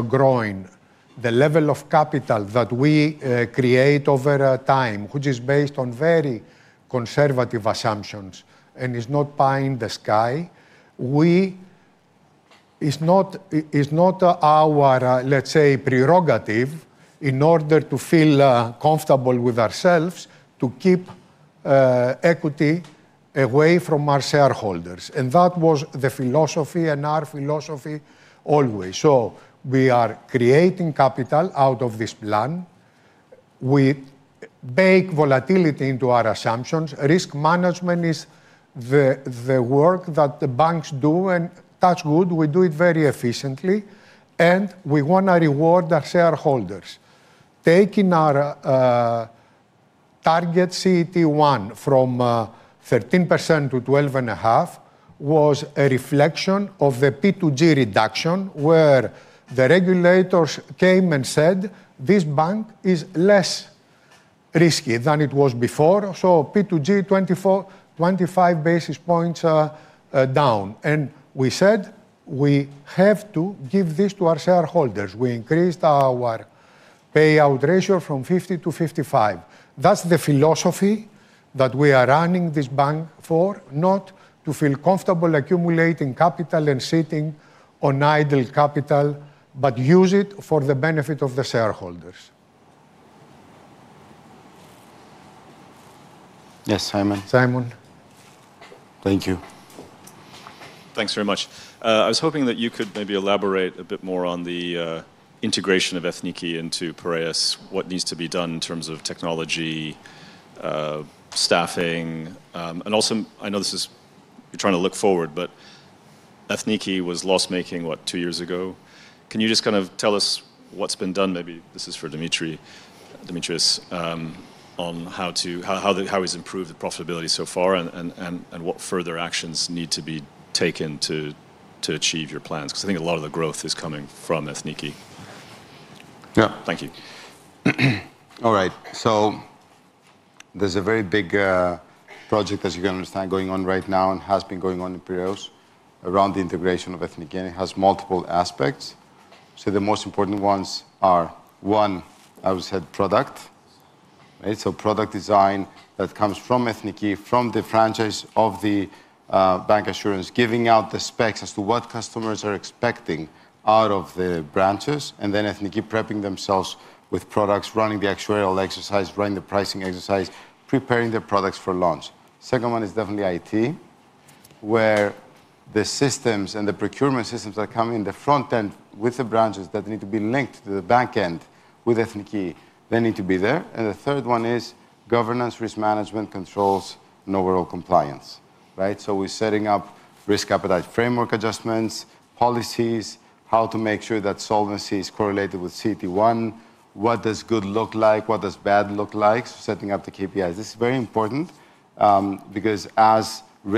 C: growing, the level of capital that we create over a time, which is based on very conservative assumptions and is not pie in the sky. It's not our, let's say, prerogative in order to feel comfortable with ourselves to keep equity away from our shareholders, and that was the philosophy and our philosophy always. We are creating capital out of this plan. We bake volatility into our assumptions. Risk management is the work that the banks do. That's good. We do it very efficiently. We wanna reward our shareholders. Taking our target CET1 from 13% to 12.5% was a reflection of the P2G reduction, where the regulators came and said, "This bank is less risky than it was before," so P2G, 24-25 basis points down. We said, we have to give this to our shareholders. We increased our payout ratio from 50% to 55%. That's the philosophy that we are running this bank for. Not to feel comfortable accumulating capital and sitting on idle capital, but use it for the benefit of the shareholders.
E: Yes, Simon.
C: Simon. Thank you.
L: Thanks very much. I was hoping that you could maybe elaborate a bit more on the integration of Ethniki into Piraeus, what needs to be done in terms of technology, staffing? Also, I know this is, you're trying to look forward, but Ethniki was loss-making, what, two years ago? Can you just kind of tell us what's been done, maybe this is for Dimitris, on how it's improved the profitability so far and what further actions need to be taken to achieve your plans? 'Cause I think a lot of the growth is coming from Ethniki.
E: Yeah.
L: Thank you.
E: All right. There's a very big project, as you can understand, going on right now and has been going on in Piraeus around the integration of Ethniki, and it has multiple aspects. The most important ones are, one, I would say, product, right? Product design that comes from Ethniki, from the franchise of the bancassurance, giving out the specs as to what customers are expecting out of the branches, and then Ethniki prepping themselves with products, running the actuarial exercise, running the pricing exercise, preparing their products for launch. Second one is definitely IT, where the systems and the procurement systems that come in the front end with the branches that need to be linked to the back end with Ethniki, they need to be there. The third one is governance, risk management, controls, and overall compliance, right? We're setting up risk appetite framework adjustments, policies, how to make sure that solvency is correlated with CET1, what does good look like, what does bad look like. Setting up the KPIs. This is very important, because as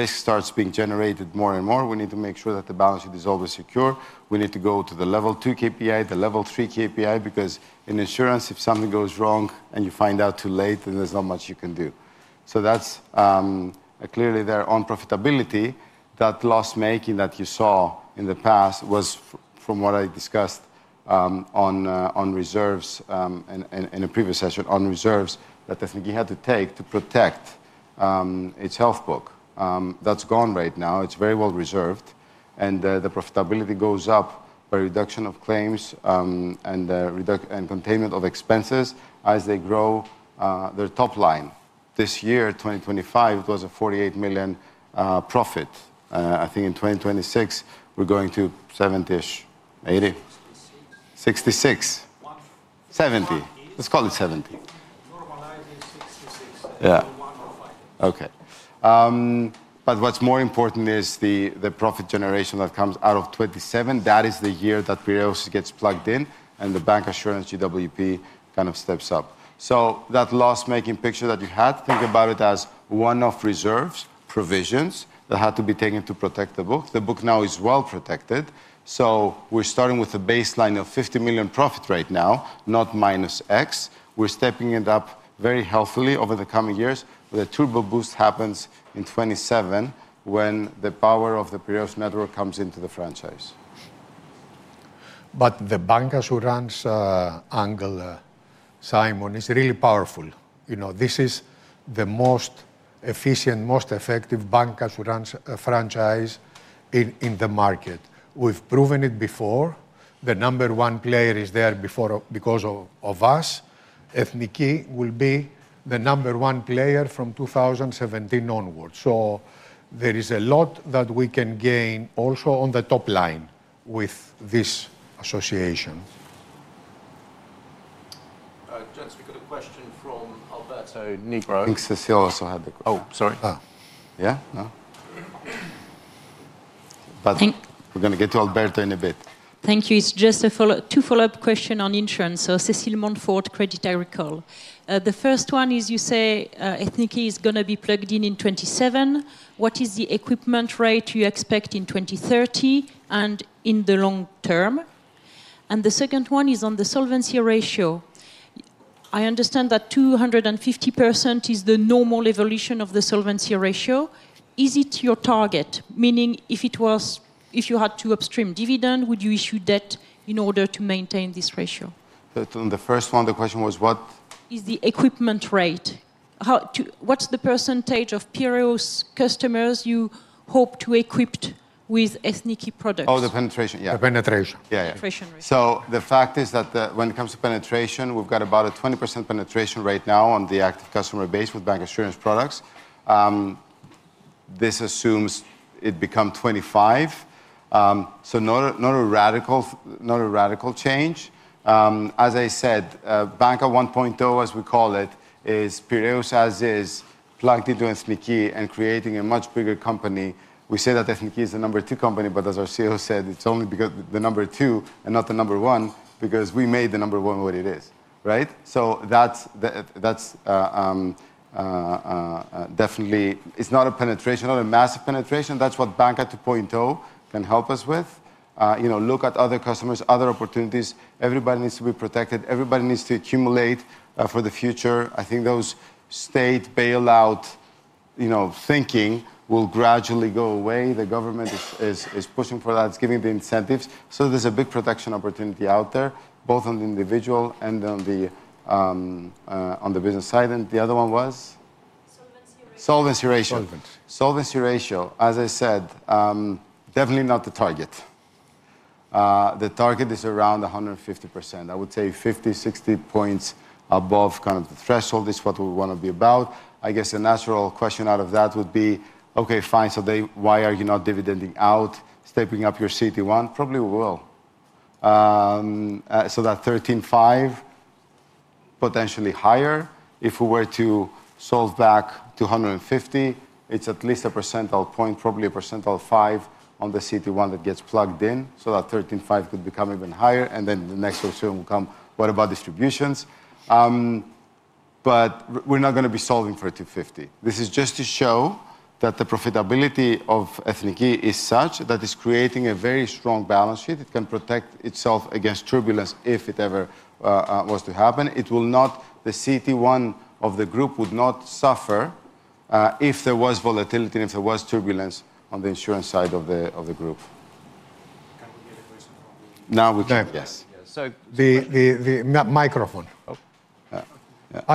E: risk starts being generated more and more, we need to make sure that the balance sheet is always secure. We need to go to the level two KPI, the level three KPI, because in insurance, if something goes wrong and you find out too late, then there's not much you can do. That's clearly their own profitability, that loss-making that you saw in the past was from what I discussed on reserves in a previous session, on reserves that Ethniki had to take to protect its health book. That's gone right now. It's very well reserved, and the profitability goes up by reduction of claims, and containment of expenses as they grow, their top line. This year, 2025, it was a 48 million profit. I think in 2026, we're going to 70-ish, 80?
C: 66
E: 66.
C: One-
E: 70
C: 180.
E: Let's call it 70. Yeah. Okay. What's more important is the profit generation that comes out of 2027. That is the year that Piraeus gets plugged in and the bancassurance GWP kind of steps up. That loss-making picture that you had, think about it as one-off reserves, provisions that had to be taken to protect the book. The book now is well protected, so we're starting with a baseline of 50 million profit right now, not minus X. We're stepping it up very healthily over the coming years. The turbo boost happens in 2027 when the power of the Piraeus network comes into the franchise.
C: The bancassurance angle, Simon, is really powerful. You know, this is the most efficient, most effective bancassurance franchise in the market. We've proven it before. The number one player is there before, because of us. Ethniki will be the number one player from 2017 onwards. There is a lot that we can gain also on the top line with this association.
A: Gents, we've got a question from Alberto Negro.
E: I think Cecile also had a question.
A: Oh, sorry.
E: Yeah, no?
C: I think-
E: We're gonna get to Alberto in a bit.
M: Thank you. It's just a follow-up, 2 follow-up question on insurance. Cecile Mouton, Crédit Agricole. The first one is you say Ethniki is gonna be plugged in in 2027. What is the equipment rate you expect in 2030 and in the long term? The second one is on the solvency ratio. I understand that 250% is the normal evolution of the solvency ratio. Is it your target? Meaning if you had to upstream dividend, would you issue debt in order to maintain this ratio?
E: On the first one, the question was what?
M: Is the equipment rate. What's the percentage of Piraeus customers you hope to equipped with Ethniki products?
E: Oh, the penetration, yeah.
C: The penetration.
E: Yeah, yeah.
M: Penetration ratio.
E: The fact is that when it comes to penetration, we've got about a 20% penetration rate now on the active customer base with bancassurance products. This assumes it become 25, so not a radical change. As I said, Banca 1.0, as we call it, is Piraeus as is plugged into Ethniki and creating a much bigger company. We say that Ethniki is the number two company, but as Arsenis said, it's only because the number two and not the number one because we made the number one what it is, right? That's definitely it's not a penetration or a massive penetration. That's what Banca 2.0 can help us with. You know, look at other customers, other opportunities. Everybody needs to be protected. Everybody needs to accumulate for the future. I think those state bailout, you know, thinking will gradually go away. The government is pushing for that. It's giving the incentives. There's a big protection opportunity out there, both on the individual and on the business side. The other one was?
M: Solvency ratio.
E: Solvency ratio.
C: Solvency.
E: Solvency ratio, as I said, definitely not the target. The target is around 150%. I would say 50, 60 points above kind of the threshold is what we wanna be about. I guess a natural question out of that would be, okay, fine, why are you not dividending out, stepping up your CET1? Probably will. That 13.5, potentially higher. If we were to solve back to 150, it's at least one percentile point, probably one percentile five on the CET1 that gets plugged in, that 13.5 could become even higher. The next question will come, what about distributions? We're not gonna be solving for 250. This is just to show that the profitability of Ethniki is such that it's creating a very strong balance sheet. It can protect itself against turbulence if it ever was to happen. It will not, the CET1 of the group would not suffer if there was volatility and if there was turbulence on the insurance side of the, of the group.
A: Can we get a question?
E: Now we can, yes.
A: Yeah.
C: The microphone.
A: Oh.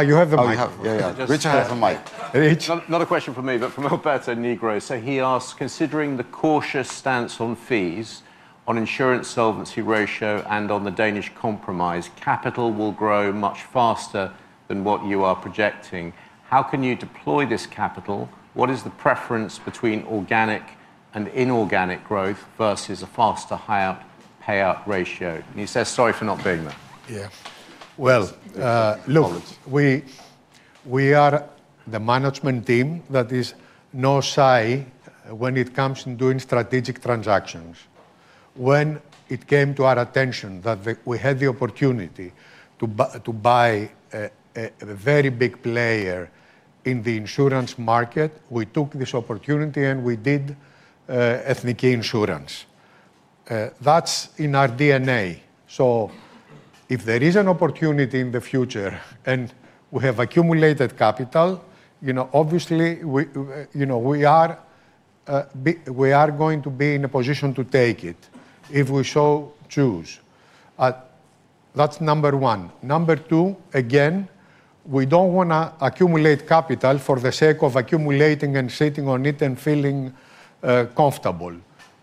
C: You have the microphone.
E: Oh, you have. Yeah, yeah.
C: Just-
E: Richard has the mic.
C: Rich.
A: Not, not a question from me, but from Alberto Negro. He asks, considering the cautious stance on fees, on insurance solvency ratio, and on the Danish Compromise, capital will grow much faster than what you are projecting. How can you deploy this capital? What is the preference between organic and inorganic growth versus a faster, higher payout ratio? He says, "Sorry for not being there.
C: Well, look, we are the management team that is no shy when it comes in doing strategic transactions. When it came to our attention that we had the opportunity to buy a very big player in the insurance market, we took this opportunity, and we did Ethniki Insurance. That's in our DNA. If there is an opportunity in the future and we have accumulated capital, you know, obviously we, you know, we are going to be in a position to take it if we so choose. That's number one. Number two, again, we don't wanna accumulate capital for the sake of accumulating and sitting on it and feeling comfortable.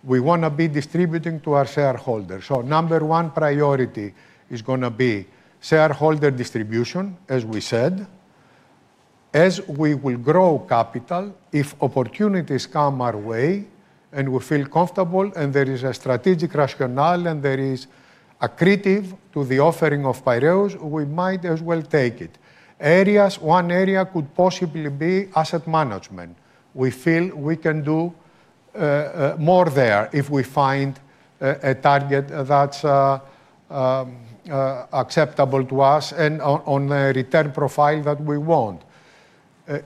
C: We wanna be distributing to our shareholders. Number one priority is gonna be shareholder distribution, as we said. As we will grow capital, if opportunities come our way and we feel comfortable and there is a strategic rationale and there is accretive to the offering of Piraeus, we might as well take it. Areas, one area could possibly be asset management. We feel we can do more there if we find a target that's acceptable to us on a return profile that we want.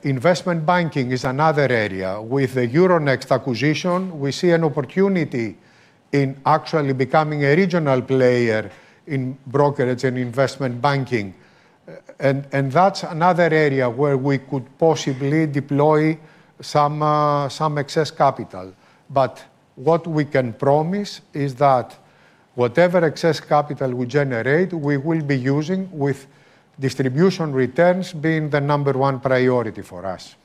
C: Investment banking is another area. With the Euronext acquisition, we see an opportunity in actually becoming a regional player in brokerage and investment banking, and that's another area where we could possibly deploy some excess capital. What we can promise is that whatever excess capital we generate, we will be using with distribution returns being the number one priority for us.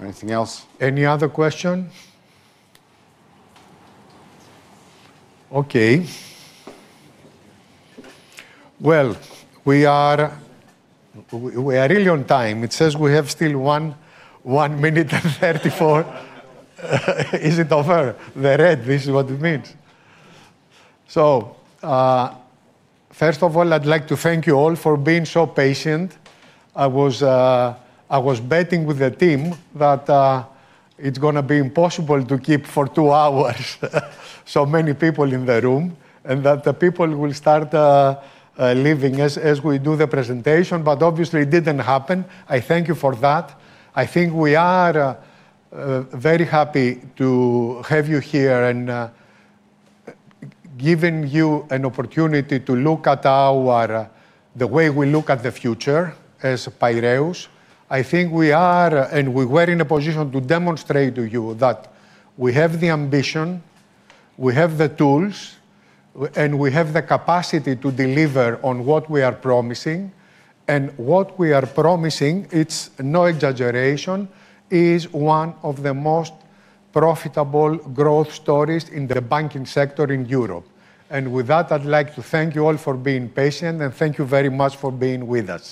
E: Anything else?
C: Any other question? Okay. Well, we are really on time. It says we have still one minute and 34. Is it over? The red, this is what it means. First of all, I'd like to thank you all for being so patient. I was betting with the team that it's gonna be impossible to keep for two hours so many people in the room and that the people will start leaving as we do the presentation, but obviously it didn't happen. I thank you for that. I think we are very happy to have you here and giving you an opportunity to look at our, the way we look at the future as Piraeus. I think we are, and we were in a position to demonstrate to you that we have the ambition, we have the tools, and we have the capacity to deliver on what we are promising. What we are promising, it's no exaggeration, is one of the most profitable growth stories in the banking sector in Europe. With that, I'd like to thank you all for being patient, and thank you very much for being with us.